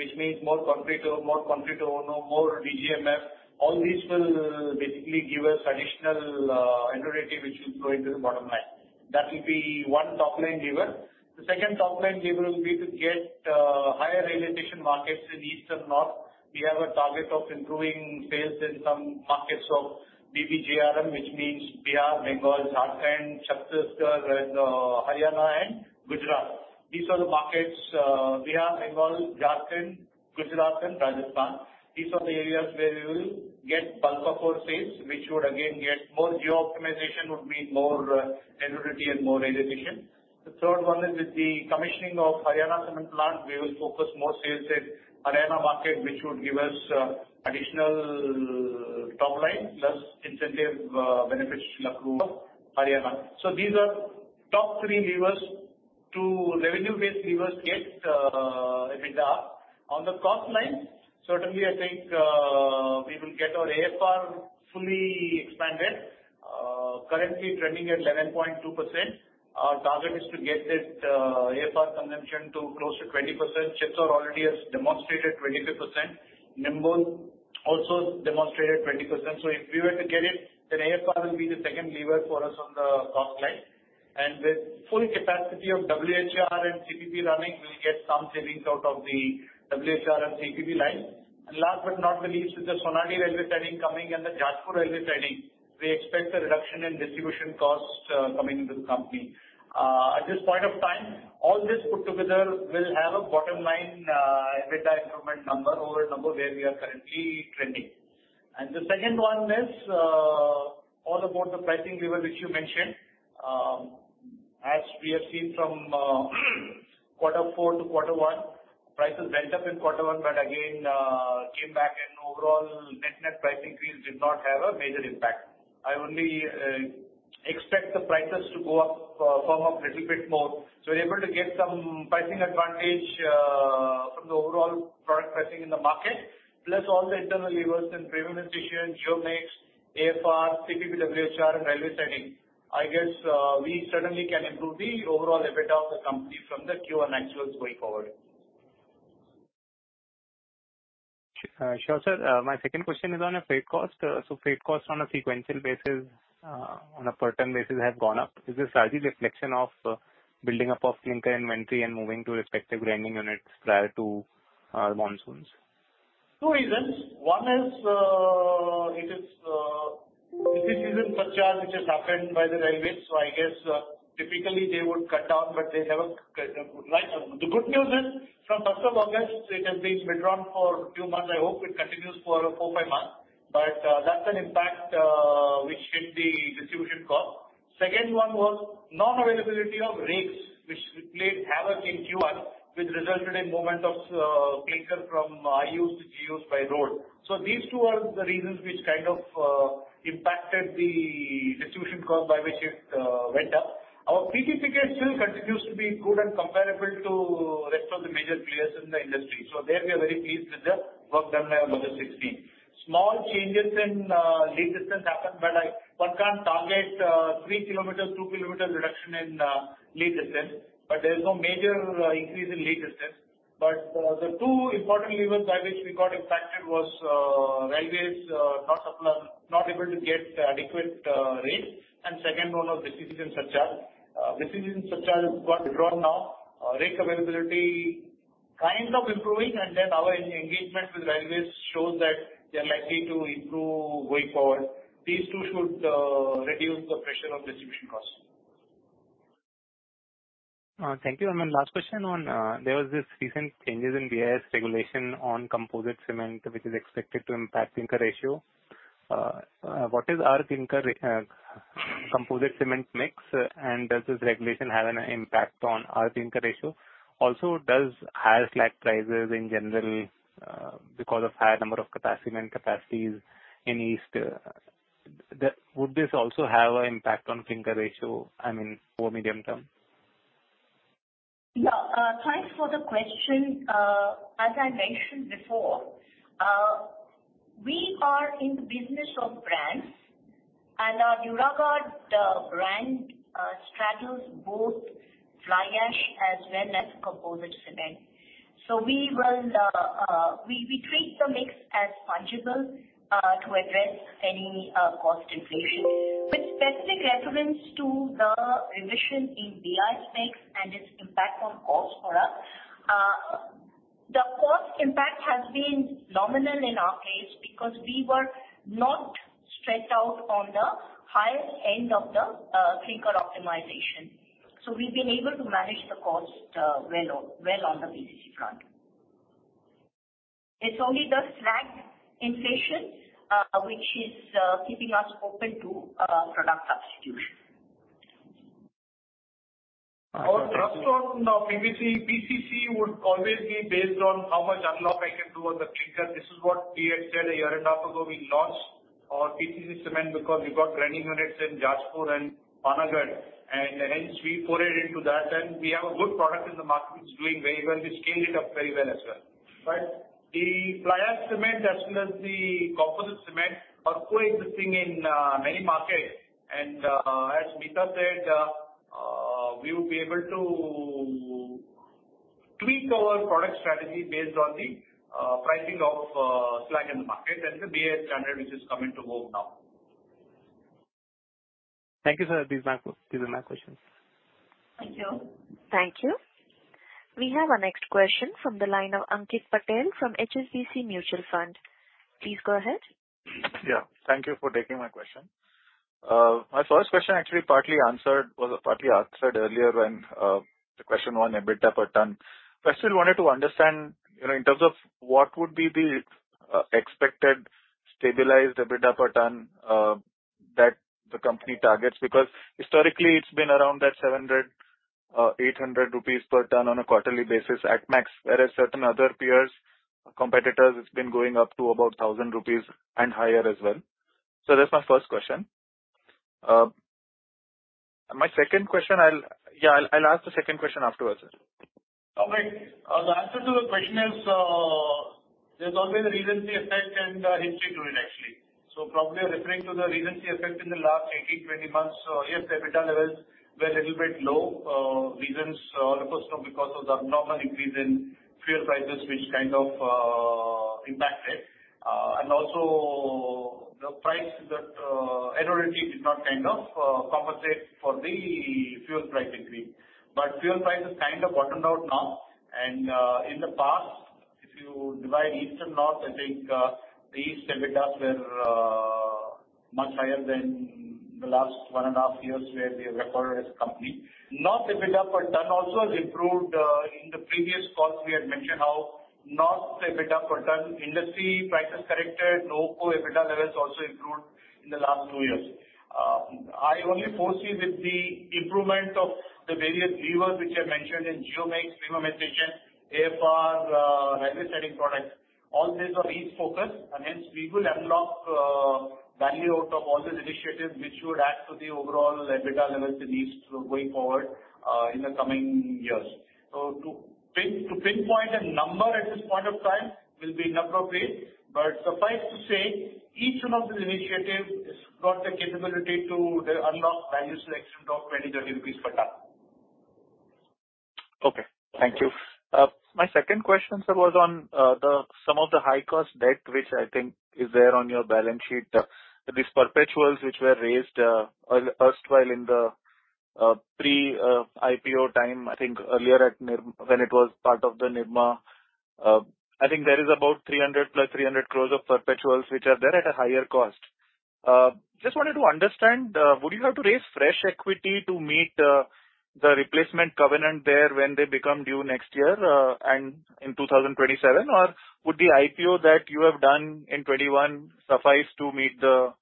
which means more Concreto, more Concreto Uno, more DGMF. All these will basically give us additional interrogative which will go into the bottom line. That will be one top-line giver. The second top-line giver will be to get higher realization markets in east and north. We have a target of improving sales in some markets of BBJRM, which means Bihar, Bengal, Jharkhand, Chhattisgarh, Haryana, and Gujarat. These are the markets, Bihar, Bengal, Jharkhand, Gujarat and Rajasthan. These are the areas where we will get bulk of our sales, which would again get more geo-optimization would mean more agility and more agility. The third one is with the commissioning of Haryana cement plant, we will focus more sales in Haryana market, which would give us additional top line plus incentive benefits from Lakhu, Haryana. These are top three levers to revenue-based levers get EBITDA. On the cost line, certainly, I think we will get our AFR fully expanded. Currently trending at 11.2%. Our target is to get that AFR consumption to close to 20%. Chhapar already has demonstrated 25%. Nimbol also demonstrated 20%. If we were to get it, AFR will be the second lever for us on the cost side. With full capacity of WHR and CPP running, we'll get some savings out of the WHR and CPP line. Last but not the least, with the Sonadih railway siding coming and the Jashpur railway siding, we expect a reduction in distribution cost coming into the company. At this point of time, all this put together will have a bottom line EBITDA improvement number over number where we are currently trending. The second one is all about the pricing lever, which you mentioned. As we have seen from quarter four to quarter one, prices went up in quarter one, but again, came back and overall net-net pricing effect did not have a major impact. I only expect the prices to firm up little bit more, so we're able to get some pricing advantage from the overall product pricing in the market. Plus all the internal levers in premiumization, geo-mix, AFR, CPP, WHR, and railway siding. I guess, we certainly can improve the overall EBITDA of the company from the Q1 actuals going forward. Sure, sir. My second question is on a freight cost. Freight cost on a sequential basis, on a per ton basis has gone up. Is this largely reflection of building up of clinker inventory and moving to respective grinding units prior to monsoons? Two reasons. One is it is offseason surcharge which is applied by the railways. I guess, typically they would cut down, but they haven't cut down. The good news is from 1st of August, it has been withdrawn for few months. I hope it continues for four, five months. That's an impact which hit the distribution cost. Second one was non-availability of rakes, which played havoc in Q1, which resulted in movement of clinker from IU to GU by road. These two are the reasons which impacted the distribution cost by which it went up. Our PPC case still continues to be good and comparable to rest of the major players in the industry. There we are very pleased with the work done by our logistics team. Small changes in lead distance happened, but One can't target three kilometers, two kilometers reduction in lead distance, but there is no major increase in lead distance. The two important levers by which we got impacted was railways not able to get adequate rakes. Second one was offseason surcharge. Offseason surcharge got withdrawn now. Rake availability kind of improving and our engagement with railways shows that they're likely to improve going forward. These two should reduce the pressure on distribution cost. Thank you. My last question on, there was this recent changes in BIS regulation on composite cement, which is expected to impact clinker ratio. What is our composite cement mix? Does this regulation have an impact on our clinker ratio? Does higher slag prices in general because of higher number of cement capacities in East Would this also have an impact on clinker ratio, I mean, over medium term? Thanks for the question. As I mentioned before, we are in the business of brands, and our Duraguard brand straddles both fly ash as well as composite cement. We treat the mix as fungible to address any cost inflation. With specific reference to the revision in BIS mix and its impact on costs for us. The cost impact has been nominal in our case because we were not stretched out on the higher end of the clinker optimization. We've been able to manage the cost well on the PCC front. It is only the slag inflation which is keeping us open to product substitution. Our thrust on PPC. PPC would always be based on how much unlock I can do on the clinker. This is what we had said a year and a half ago. We launched our PCC cement because we got grinding units in Jashpur and Panagarh, and hence we forayed into that, and we have a good product in the market which is doing very well. We scaled it up very well as well. The fly ash cement as well as the composite cement are coexisting in many markets and as Meeta said, we would be able to tweak our product strategy based on the pricing of slag in the market and the BIS standard which is coming to vogue now. Thank you, sir. These are my questions. Thank you. Thank you. We have our next question from the line of Ankit Patel from HSBC Mutual Fund. Please go ahead. Yeah. Thank you for taking my question. My first question actually was partly answered earlier when the question on EBITDA per ton. I still wanted to understand in terms of what would be the expected stabilized EBITDA per ton that the company targets. Historically, it's been around that 700, 800 rupees per ton on a quarterly basis at max, whereas certain other peers or competitors, it's been going up to about 1,000 rupees and higher as well. That's my first question. My second question, I'll ask the second question afterwards. Okay. The answer to the question is, there's always a recency effect and a history to it, actually. Probably referring to the recency effect in the last 18, 20 months, yes, EBITDA levels were a little bit low. Reasons, first because of the abnormal increase in fuel prices, which kind of impacted. Also the price that air energy did not kind of compensate for the fuel price increase. Fuel prices kind of bottomed out now. In the past, if you divide East and North, I think the East EBITDA were much higher than the last one and a half years where they were acquired as a company. North EBITDA per ton also has improved. In the previous calls, we had mentioned how North EBITDA per ton industry prices corrected, Nuvoco EBITDA levels also improved in the two years. I only foresee with the improvement of the various levers which are mentioned in geo mix, premiumization, AFR, revenue-setting products, all these are East focus, hence we will unlock value out of all these initiatives which would add to the overall EBITDA levels in East going forward in the coming years. To pinpoint a number at this point of time will be inappropriate, but suffice to say, each one of these initiatives has got the capability to unlock value to the extent of 20, 30 rupees per ton. Okay. Thank you. My second question, sir, was on some of the high-cost debt, which I think is there on your balance sheet. These perpetuals which were raised erstwhile in the pre-IPO time, I think earlier when it was part of the Nirma. I think there is about 300 plus 300 crore of perpetuals, which are there at a higher cost. Just wanted to understand, would you have to raise fresh equity to meet the replacement covenant there when they become due next year and in 2027? Or would the IPO that you have done in 2021 suffice to meet the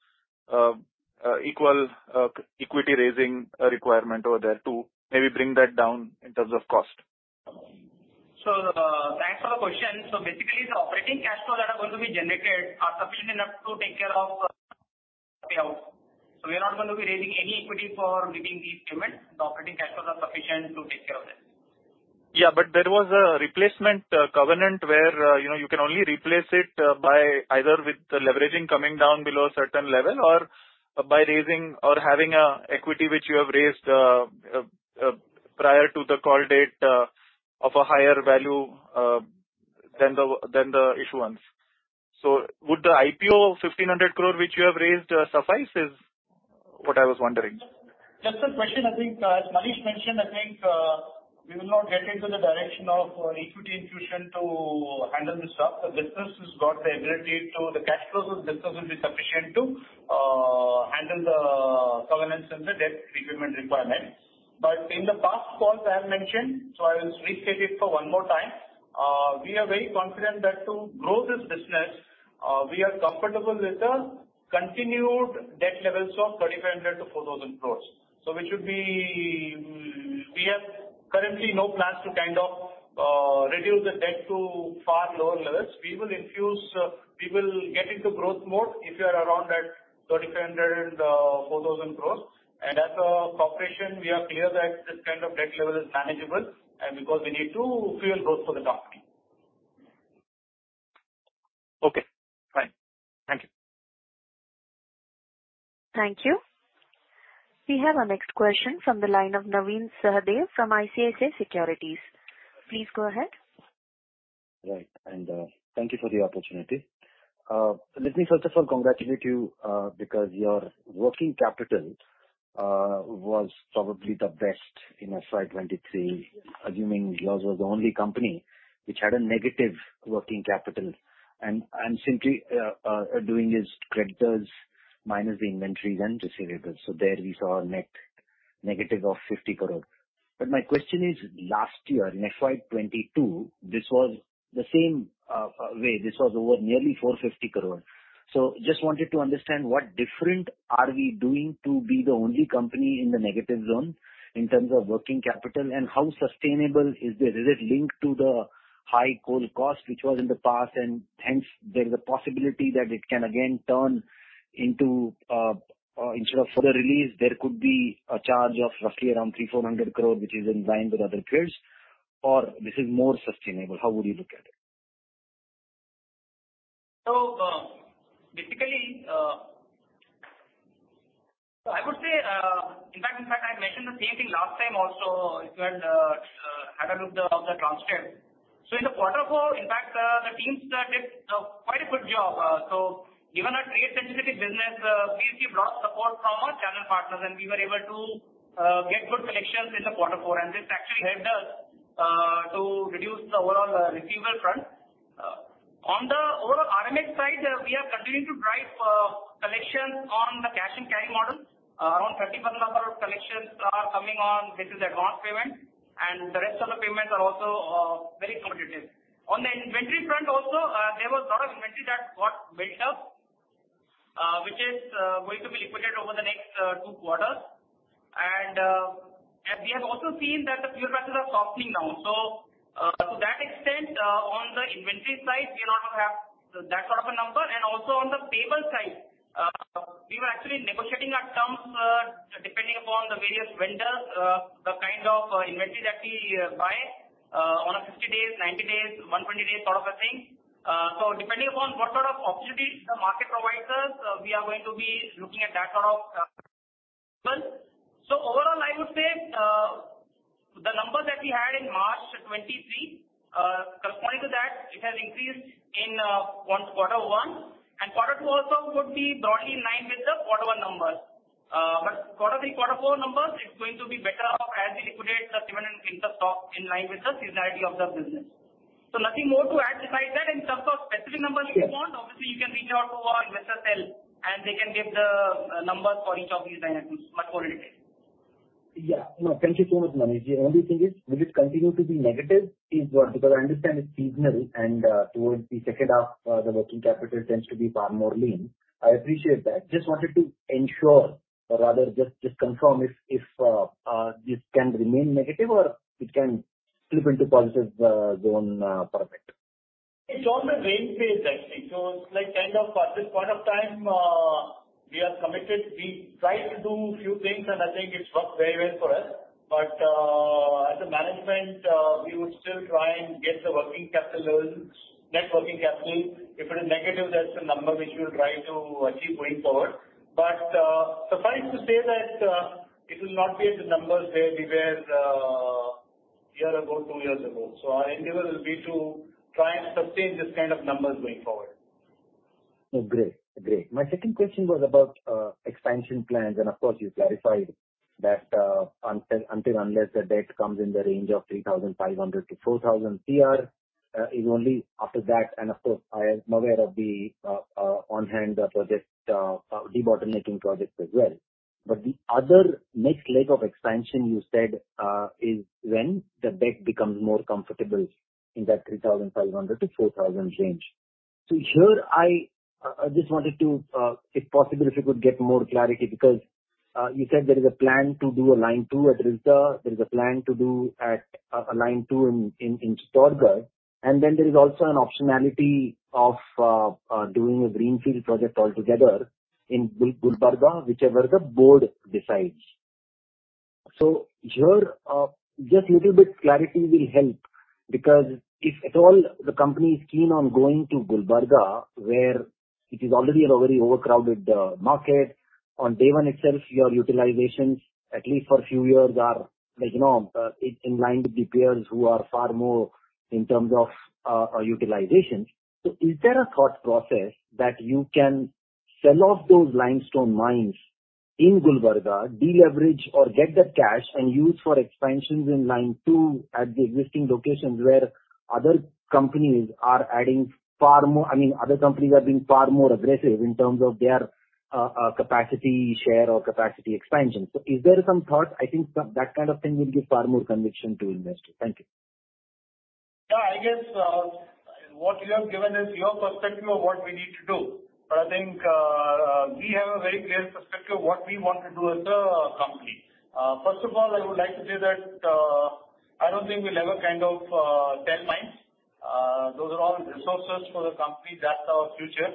equity raising requirement over there to maybe bring that down in terms of cost? Thanks for the question. Basically, the operating cash flow that are going to be generated are sufficient enough to take care of pay out. We're not going to be raising any equity for meeting these payments. The operating cash flows are sufficient to take care of that. There was a replacement covenant where you can only replace it by either with the leveraging coming down below a certain level or by raising or having equity which you have raised prior to the call date of a higher value than the issuance. Would the IPO 1,500 crore which you have raised suffice is what I was wondering. Just a question, I think as Maneesh mentioned, I think we will not get into the direction of equity infusion to handle this stuff. The cash flows of business will be sufficient to handle the covenants and the debt repayment requirement. In the past calls, I have mentioned, I will restate it for one more time. We are very confident that to grow this business, we are comfortable with the continued debt levels of 3,500 to 4,000 crore. We have currently no plans to kind of reduce the debt to far lower levels. We will get into growth mode if we are around that 3,500, 4,000 crore. As a corporation, we are clear that this kind of debt level is manageable and because we need to fuel growth for the company. Okay, fine. Thank you. Thank you. We have our next question from the line of Navin Sahadeo from ICICI Securities. Please go ahead. Right, thank you for the opportunity. Let me first of all congratulate you because your working capital was probably the best in FY 2023, assuming yours was the only company which had a negative working capital, simply doing this, creditors minus the inventories and receivables. There we saw a net negative of 50 crore. My question is, last year in FY 2022, this was the same way. This was over nearly 450 crore. Just wanted to understand what different are we doing to be the only company in the negative zone in terms of working capital, and how sustainable is it? Is it linked to the high coal cost, which was in the past, hence there is a possibility that it can again turn into, instead of further release, there could be a charge of roughly around 300-400 crore, which is in line with other peers, or this is more sustainable. How would you look at it? Basically, I would say, in fact, I had mentioned the same thing last time also. It was Better with the transcript. In the quarter four, in fact, the teams did quite a good job. Given our trade-sensitive business, we actually brought support from our channel partners, and we were able to get good collections in the quarter four, and this actually helped us to reduce the overall receivable front. On the overall RMX side, we are continuing to drive collections on the cash and carry model. Around 31 number of collections are coming on, this is advance payment, and the rest of the payments are also very competitive. On the inventory front also, there was a lot of inventory that got built up, which is going to be liquidated over the next 2 quarters. We have also seen that the fuel prices are softening now. To that extent, on the inventory side, we no longer have that sort of a number, and also on the payable side, we were actually negotiating our terms, depending upon the various vendors, the kind of inventory that we buy on a 50 days, 90 days, 120 days sort of a thing. Depending upon what sort of opportunities the market provides us, we are going to be looking at that sort of. Overall, I would say, the numbers that we had in March 2023, corresponding to that, it has increased in quarter one, and quarter two also would be broadly in line with the quarter one numbers. Quarter three, quarter four numbers, it's going to be better off as we liquidate the inventory stock in line with the seasonality of the business. Nothing more to add beside that. In terms of specific numbers you want, obviously, you can reach out to our investor cell, and they can give the numbers for each of these dynamics much more in detail. Yeah. No, thank you so much, Maneesh. The only thing is, will it continue to be negative, is what, because I understand it's seasonal, and towards the second half, the working capital tends to be far more lean. I appreciate that. Just wanted to ensure or rather just confirm if this can remain negative or it can flip into positive zone per bit. It's on the rampage, actually. At this point of time, we are committed. We tried to do few things, and I think it worked very well for us. As a management, we would still try and get the working capital, net working capital. If it is negative, that's the number which we'll try to achieve going forward. Suffice to say that it will not be at the numbers where we were a year ago, two years ago. Our endeavor will be to try and sustain this kind of numbers going forward. Great. My second question was about expansion plans. Of course, you clarified that until unless the debt comes in the range of 3,500-4,000 CR, it is only after that. Of course, I am aware of the on-hand project, debottlenecking projects as well. The other next leg of expansion you said is when the debt becomes more comfortable in that 3,500-4,000 range. Here, I just wanted to, if possible, if we could get more clarity, because you said there is a plan to do a line two at Ralegaon, there is a plan to do a line two in Chikkodi, and then there is also an optionality of doing a greenfield project altogether in Gulbarga, whichever the board decides. Here, just little bit clarity will help because if at all the company is keen on going to Gulbarga, where it is already a very overcrowded market. On day one itself, your utilizations, at least for a few years are in line with the peers who are far more in terms of utilizations. Is there a thought process that you can sell off those limestone mines in Gulbarga, deleverage or get the cash and use for expansions in line two at the existing locations where other companies are being far more aggressive in terms of their capacity share or capacity expansion. Is there some thought? I think that kind of thing will give far more conviction to investors. Thank you. Yeah, I guess what you have given is your perspective of what we need to do. I think we have a very clear perspective of what we want to do as a company. First of all, I would like to say that I don't think we'll ever sell mines. Those are all resources for the company. That's our future.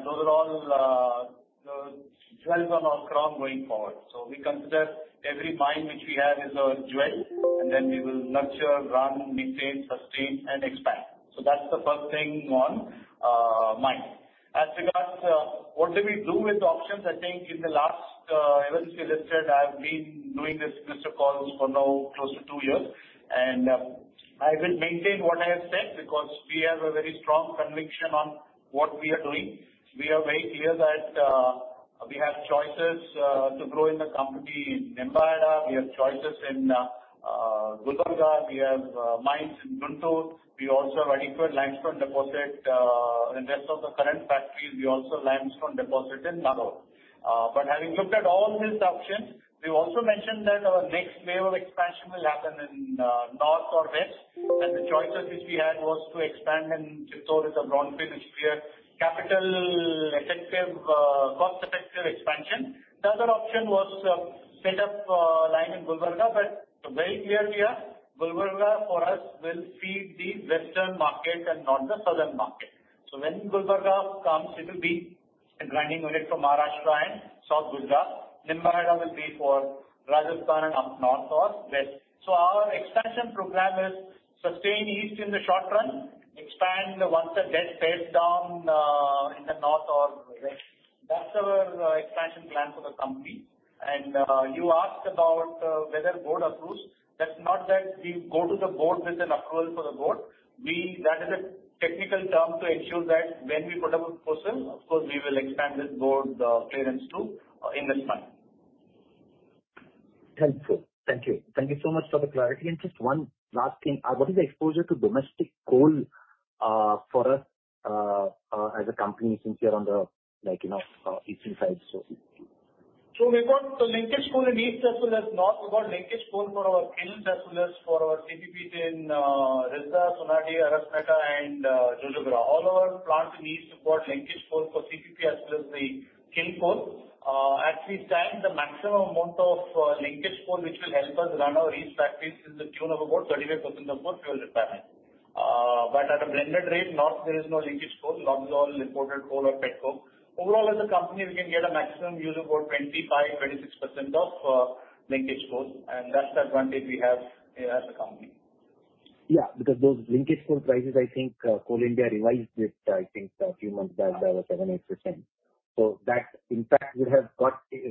Those are all jewels on our crown going forward. We consider every mine which we have is a jewel, and then we will nurture, run, maintain, sustain, and expand. That's the first thing on mind. As regards what do we do with the options, I think in the last events, as I said, I've been doing these investor calls for now close to two years. I will maintain what I have said because we have a very strong conviction on what we are doing. We are very clear that we have choices to grow in the company in Nimbahera. We have choices in Gulbarga. We have mines in Chikkodi. We also have a different limestone deposit in rest of the current factories. We also have limestone deposit in Nagod. Having looked at all these options, we've also mentioned that our next wave of expansion will happen in north or west. The choices which we had was to expand in Chikkodi, the brownfield, which we had capital-effective, cost-effective expansion. The other option was set up a line in Gulbarga, very clearly, Gulbarga for us will feed the western market and not the southern market. When Gulbarga comes, it will be grinding unit from Maharashtra and South Gujarat. Nimbahera will be for Rajasthan and up north or west. Our expansion program is sustain east in the short run, expand once the debt pays down expansion plan for the company. You asked about whether board approves. That's not that we go to the board with an approval for the board. That is a technical term to ensure that when we put up a proposal, of course, we will expand with board clearance too in this time. Helpful. Thank you. Thank you so much for the clarity. Just one last thing. What is the exposure to domestic coal for us as a company since we are on the ECG side source? We've got linkage coal in East as well as North. We've got linkage coal for our kilns as well as for our CPPs in Risda, Sonadih, Arasmeta, and Jojobera. All our plants in East have got linkage coal for CPP as well as the kiln coal. At this time, the maximum amount of linkage coal which will help us run our East factories is tune of about 35% of our fuel requirement. At a blended rate, North there is no linkage coal. North is all imported coal or pet coke. Overall, as a company, we can get a maximum use of about 25%, 26% of linkage coal, and that's the advantage we have as a company. Because those linkage coal prices, I think Coal India revised it, I think a few months back by 7%, 8%. That, in fact, would have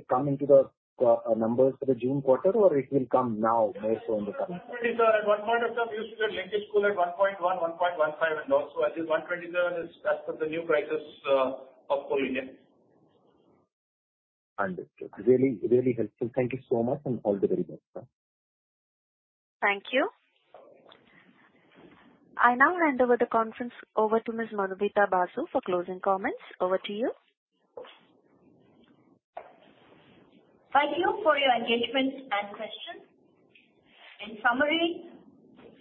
come into the numbers for the June quarter, or it will come now more so in the coming- At one point of time, we used to get linkage coal at 1.1, 1.15 and all. I think 127 is as per the new prices of Coal India. Understood. Really helpful. Thank you so much. All the very best. Thank you. I now hand over the conference over to Ms. Madhumita Basu for closing comments. Over to you. Thank you for your engagement and questions. In summary,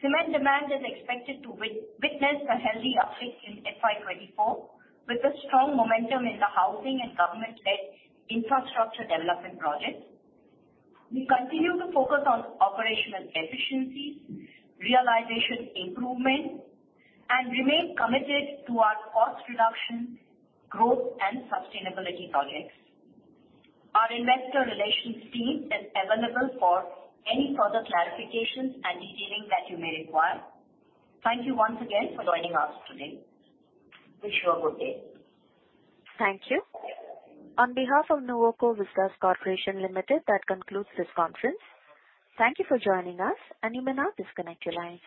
cement demand is expected to witness a healthy uptick in FY 2024 with the strong momentum in the housing and government-led infrastructure development projects. We continue to focus on operational efficiencies, realization improvement, and remain committed to our cost reduction, growth, and sustainability projects. Our investor relations team is available for any further clarifications and detailing that you may require. Thank you once again for joining us today. Wish you a good day. Thank you. On behalf of Nuvoco Vistas Corporation Limited, that concludes this conference. Thank you for joining us, and you may now disconnect your lines.